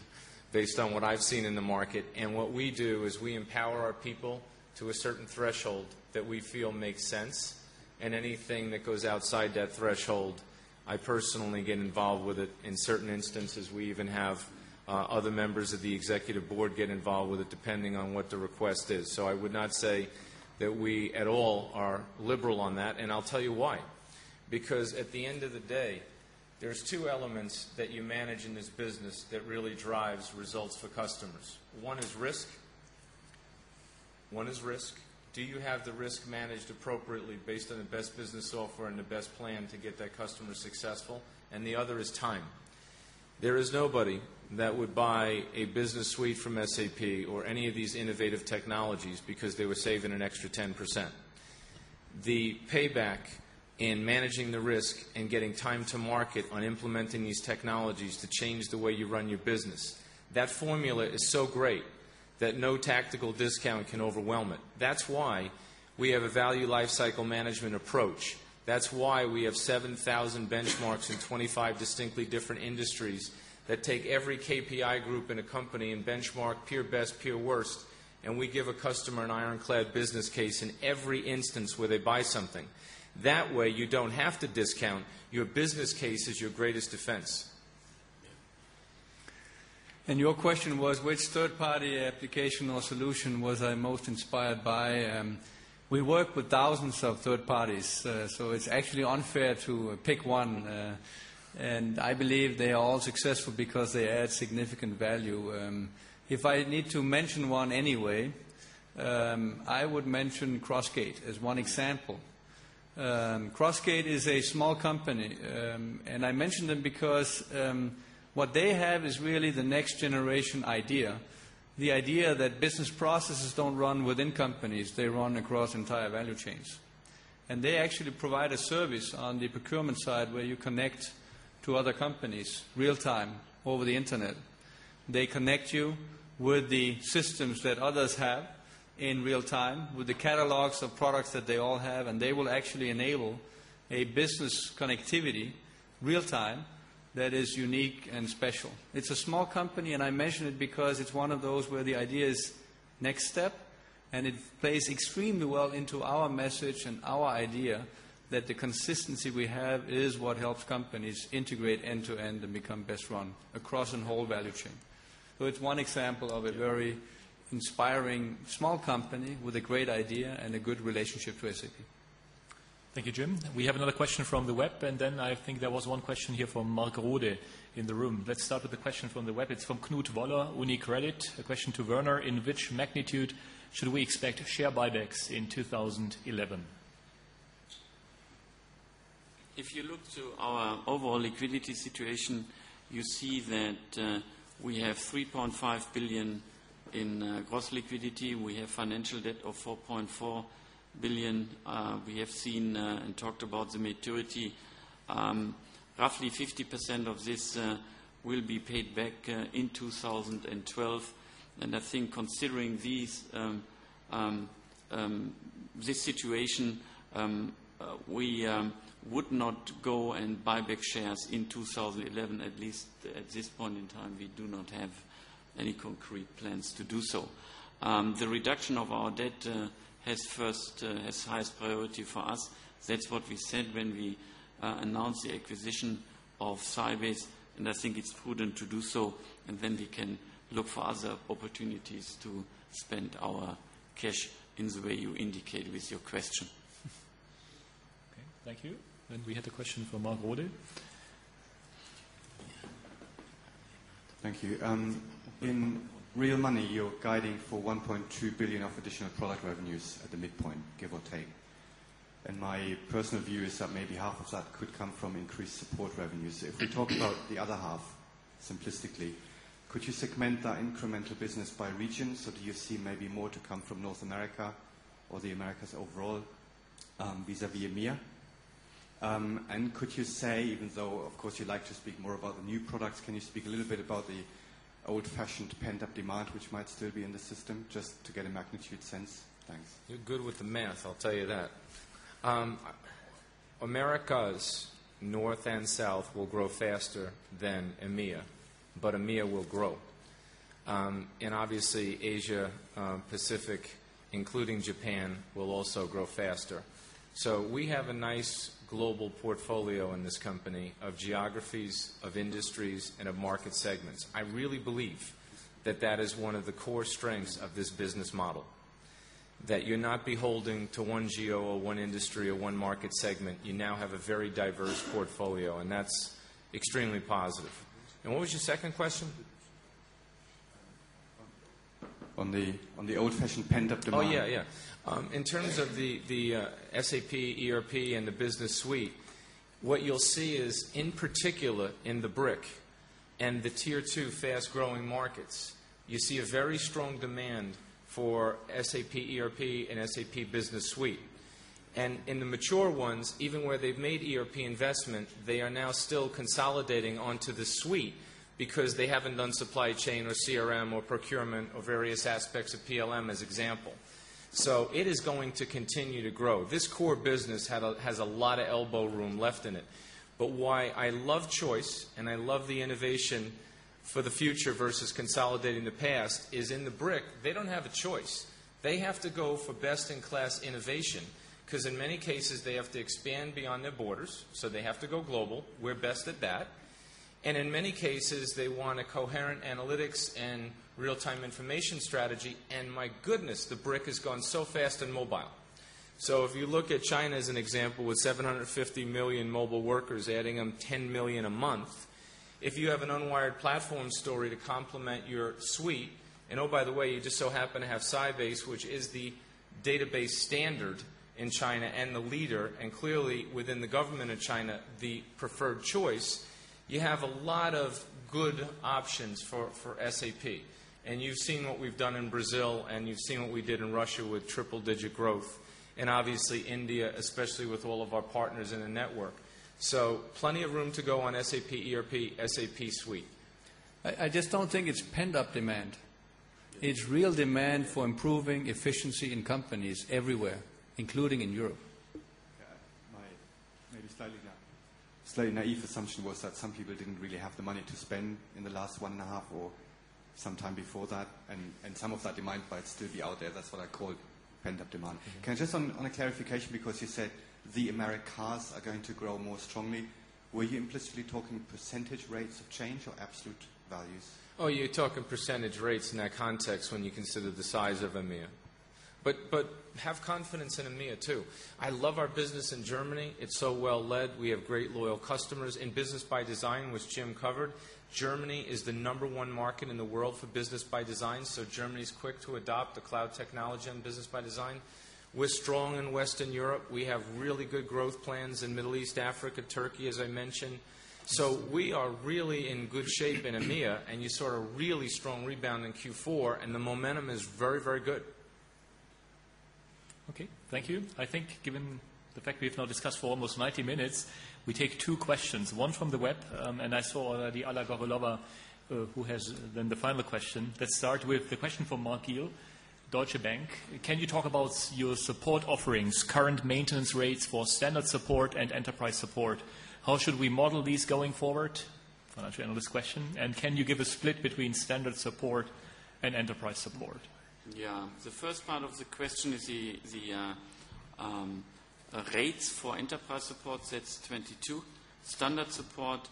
[SPEAKER 3] based on what I've seen in the market. And what we do is we empower our people to a certain threshold that we feel makes sense. And anything that goes outside that threshold, I personally get involved with it in certain instances. We even have other members of the executive board get involved with it depending on what the request is. So I would not say that we at all are liberal on that, and I'll tell you why. Because at the end of the day, there's 2 elements that you manage in this business that really drives results for customers. 1 is risk. Do you have the risk managed appropriately based on the best business software and the best plan to get that customer successful? And the other is time. There is nobody that would buy a business suite from SAP or any of these innovative technologies because they were saving an extra 10%. The payback in managing the risk and getting time to market on implementing these technologies to change the way you run your business, That formula is so great that no tactical discount can overwhelm it. That's why we have a value life cycle management approach. That's why we have 7,000 benchmarks in 25 distinctly different industries that take every KPI group in a company and benchmark peer best, peer worst, and we give a customer an ironclad business case in every instance where they buy something. That way, you don't have to discount. Your business case is your greatest defense.
[SPEAKER 4] And your question was which third party application or solution was I most inspired by? We work with thousands of third parties, so it's actually unfair to pick 1. And I believe they are all successful because they add significant value. If I need to mention one anyway, I would mention Crossgate as one example. Crossgate is a small company, and I mentioned them because what they have is really the next generation idea, the idea that business processes don't run within companies, they run across entire value chains. And they actually provide a service on the procurement side where you connect to other companies real time over the Internet. They connect you with the systems that others have in real time with the catalogs of products that they all have, and they will actually enable a business connectivity real time that is unique and special. It's a small company, and I mention it because it's one of those where the idea is next step, and it plays extremely well into our message and our idea that the consistency we have is what helps companies integrate end to end and become best run across a whole value chain. So it's one example of a very inspiring small company with a great idea and a good relationship to SAP. Thank you,
[SPEAKER 1] It's from Knut Waller, UniCredit. A question to Werner. In which magnitude should we expect share buybacks in 2011?
[SPEAKER 2] If you look to our overall liquidity situation, you see that we have 3,500,000,000 in gross liquidity. We have financial debt of 4,400,000,000 We have seen and talked about the maturity. Roughly 50% of this will be paid back in 2012. And I think considering this situation, we would not go and buy back shares in 2011. At least at this point in time, we do not have any concrete plans to do so. The reduction of our debt has first has highest priority for us. That's what we said when we announced the acquisition of Sybase, and I think it's prudent to do so. And then we can look for other opportunities to spend our cash in the way you indicate with your question. Okay.
[SPEAKER 1] Thank you. And we have the question for Mark Vorder.
[SPEAKER 9] Thank you. In real money, you're guiding for €1,200,000,000 of additional product revenues at the midpoint, give or take. And my personal view is that maybe half of that could come from increased support revenues. If we
[SPEAKER 1] talk about
[SPEAKER 9] the other half simplistically, could you segment that incremental business by region? So do you see maybe more to come from North America the Americas overall vis a vis EMEA? And could you say, even though, of course, you'd like to speak more about the new products, can you speak a little bit about the old fashioned pent up demand, which might still be in the system just to get a magnitude sense?
[SPEAKER 3] You're good with the math, I'll tell you that. Americas, North and South, will grow faster than EMEA, but EMEA will grow. And obviously, Asia Pacific, including Japan, will also grow faster. So we have a nice global portfolio in this company of geographies, of industries and of market segments. I really believe that that is one of the core strengths of this business model, that you're not beholding to 1 geo or 1 industry or 1 market segment. You now have a very diverse portfolio, and that's extremely positive. And what was your second question?
[SPEAKER 9] On the old fashioned pent up demand?
[SPEAKER 4] Oh, yes,
[SPEAKER 3] yes. In terms of the SAP, ERP and the business suite, what you'll see is, in particular, in the BRIC and the Tier 2 fast growing markets, you see a very strong demand for SAP ERP and SAP Business Suite. And in the mature ones, even where they've made ERP investment, they are now still consolidating onto the suite because they haven't done supply chain or CRM or procurement or various aspects of PLM, as example. So it is going to continue to grow. This core business has a lot of elbow room left in it. But why I love Choice and I love the innovation for the future versus consolidating the past is in the BRIC, they don't have a choice. They have to go for best in class innovation because in many cases, they have to expand beyond their borders. So they have to go global. We're best at that. And in many cases, they want a coherent analytics and real time information strategy. And my goodness, the BRIC has gone so fast in mobile. So if you look at China as an example with 750,000,000 mobile workers adding them 10,000,000 a month, if you have an unwired platform story to complement your suite, and by the way, you just so happen to have Sybase, which is the database standard in China and the leader and clearly within the government of China, the preferred choice, you have a lot of good options for SAP. And you've seen what we've done in Brazil and you've seen what we did in Russia with triple digit growth, and obviously, India, especially with all of our partners in the network. So plenty of room to go on SAP ERP, SAP Suite.
[SPEAKER 4] I just don't think it's pent up demand. It's real demand for improving efficiency in companies everywhere, including in Europe.
[SPEAKER 9] My maybe slightly naive assumption was that some people didn't really have the money to spend in the last 1.5% or sometime before that. And some of that demand might still be out there. That's what I call pent up demand. Can I just on a clarification because you said the Americas are going to grow more strongly, were you implicitly talking percentage rates of change or absolute values?
[SPEAKER 3] Oh, you're talking percentage rates in that context when you consider the size of EMEA. But have confidence in EMEA, too. I love our business in Germany. It's so well led. We have great loyal customers. In Business by Design, which Jim covered, Germany is the number one market in the world for Business by Design. So Germany is quick to adopt the cloud technology and Business by design. We're strong in Western Europe. We have really good growth plans in Middle East, Africa, Turkey, as I mentioned. So we are really in good shape in EMEA, and you saw a really strong rebound in Q4, and the momentum is very, very good. Okay.
[SPEAKER 1] Thank you. I think given the fact we've now discussed for almost 90 minutes, we take 2 questions. 1 from the web, and I saw the Alagrocholova, who has then the final question. Let's start with a question from Mark Gill, Deutsche Bank. Can you talk about your support offerings, current maintenance rates for standard support and enterprise support? How should we model these going forward? Financial analyst question. And can you give a split between standard support and enterprise support?
[SPEAKER 2] Yes. The first part of the question is the rates for enterprise support, that's 22%. Standard support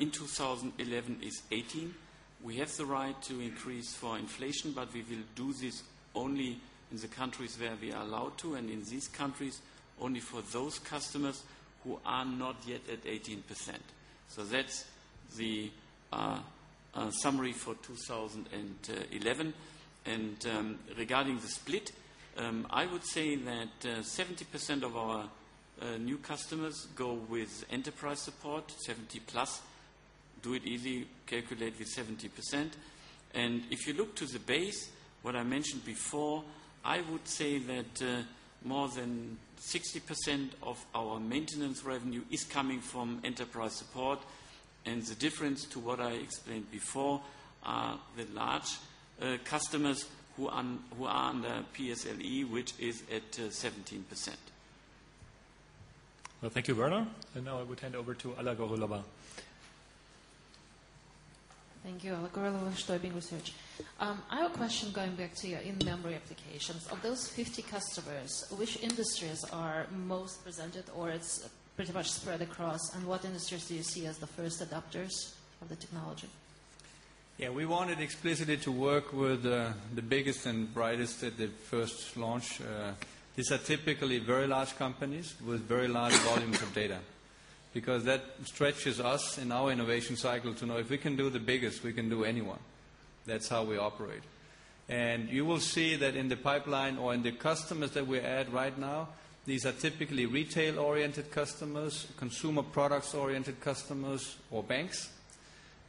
[SPEAKER 2] in 2011 is 2018. We have the right to increase for inflation, but we will do this only in the countries where we are allowed to and in these countries only for those customers who are not yet at 18%. So that's the summary for 2011. And regarding the split, I would say that 70% of our new customers go with enterprise support, 70 plus, do it easy, calculate with 70%. And if you look to the base, what I mentioned before, I would say that more than 60% of our maintenance revenue is coming from Enterprise Support. And the difference to what I explained before, the large customers who are under PSLE, which is at 17%.
[SPEAKER 1] Well, thank you, Werner. And now I would hand over to Alagor Olaban.
[SPEAKER 10] Thank you. Alagor Lova, Deutsche. I have a question going back to your in memory applications. Of those 50 customers, which industries are most presented or it's pretty much spread across? And what industries do you see as the first adopters of the technology?
[SPEAKER 4] We wanted explicitly to work with the biggest and brightest at the first launch. These are typically very large companies with very large volumes of data because that stretches us in our innovation cycle to know if we can do the biggest, we can do anyone. That's how we operate. And you will see that in the pipeline or in the customers that we add right now, these are typically retail oriented customers, consumer products oriented customers or banks,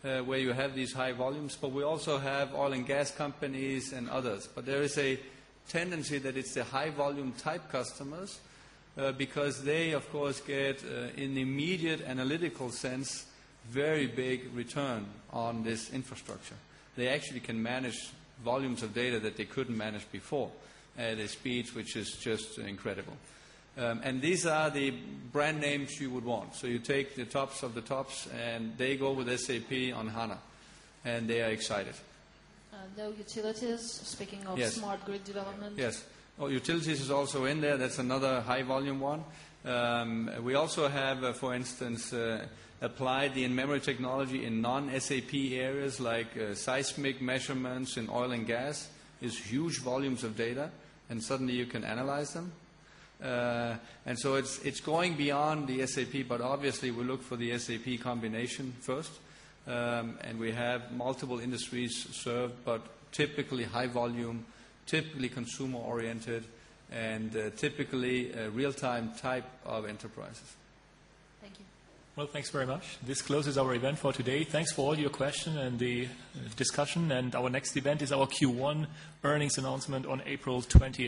[SPEAKER 4] where you have these high volumes. But we also have oil and gas companies and immediate analytical sense, very big return on this infrastructure. They actually can manage volumes of data that they couldn't manage before at a speed, which is just incredible. And these are the brand names you would want. So you take the tops of the tops, and they go with SAP on HANA, and they are excited.
[SPEAKER 10] No utilities, speaking of smart grid development?
[SPEAKER 4] Yes. Yes. Oh, utilities is also in there. That's another high volume one. We also have, for instance, applied the in memory technology in non SAP areas like seismic measurements in oil and gas. Is huge volumes of data, and suddenly you can analyze them. And so it's going beyond the SAP, but obviously, we look for the SAP combination first. And we have multiple industries served, but typically high volume, typically consumer oriented and typically real time type of enterprises.
[SPEAKER 1] Well, thanks very much. This closes our event for today. Thanks for all your questions and the discussion. And our next event is our Q1 earnings announcement on April 20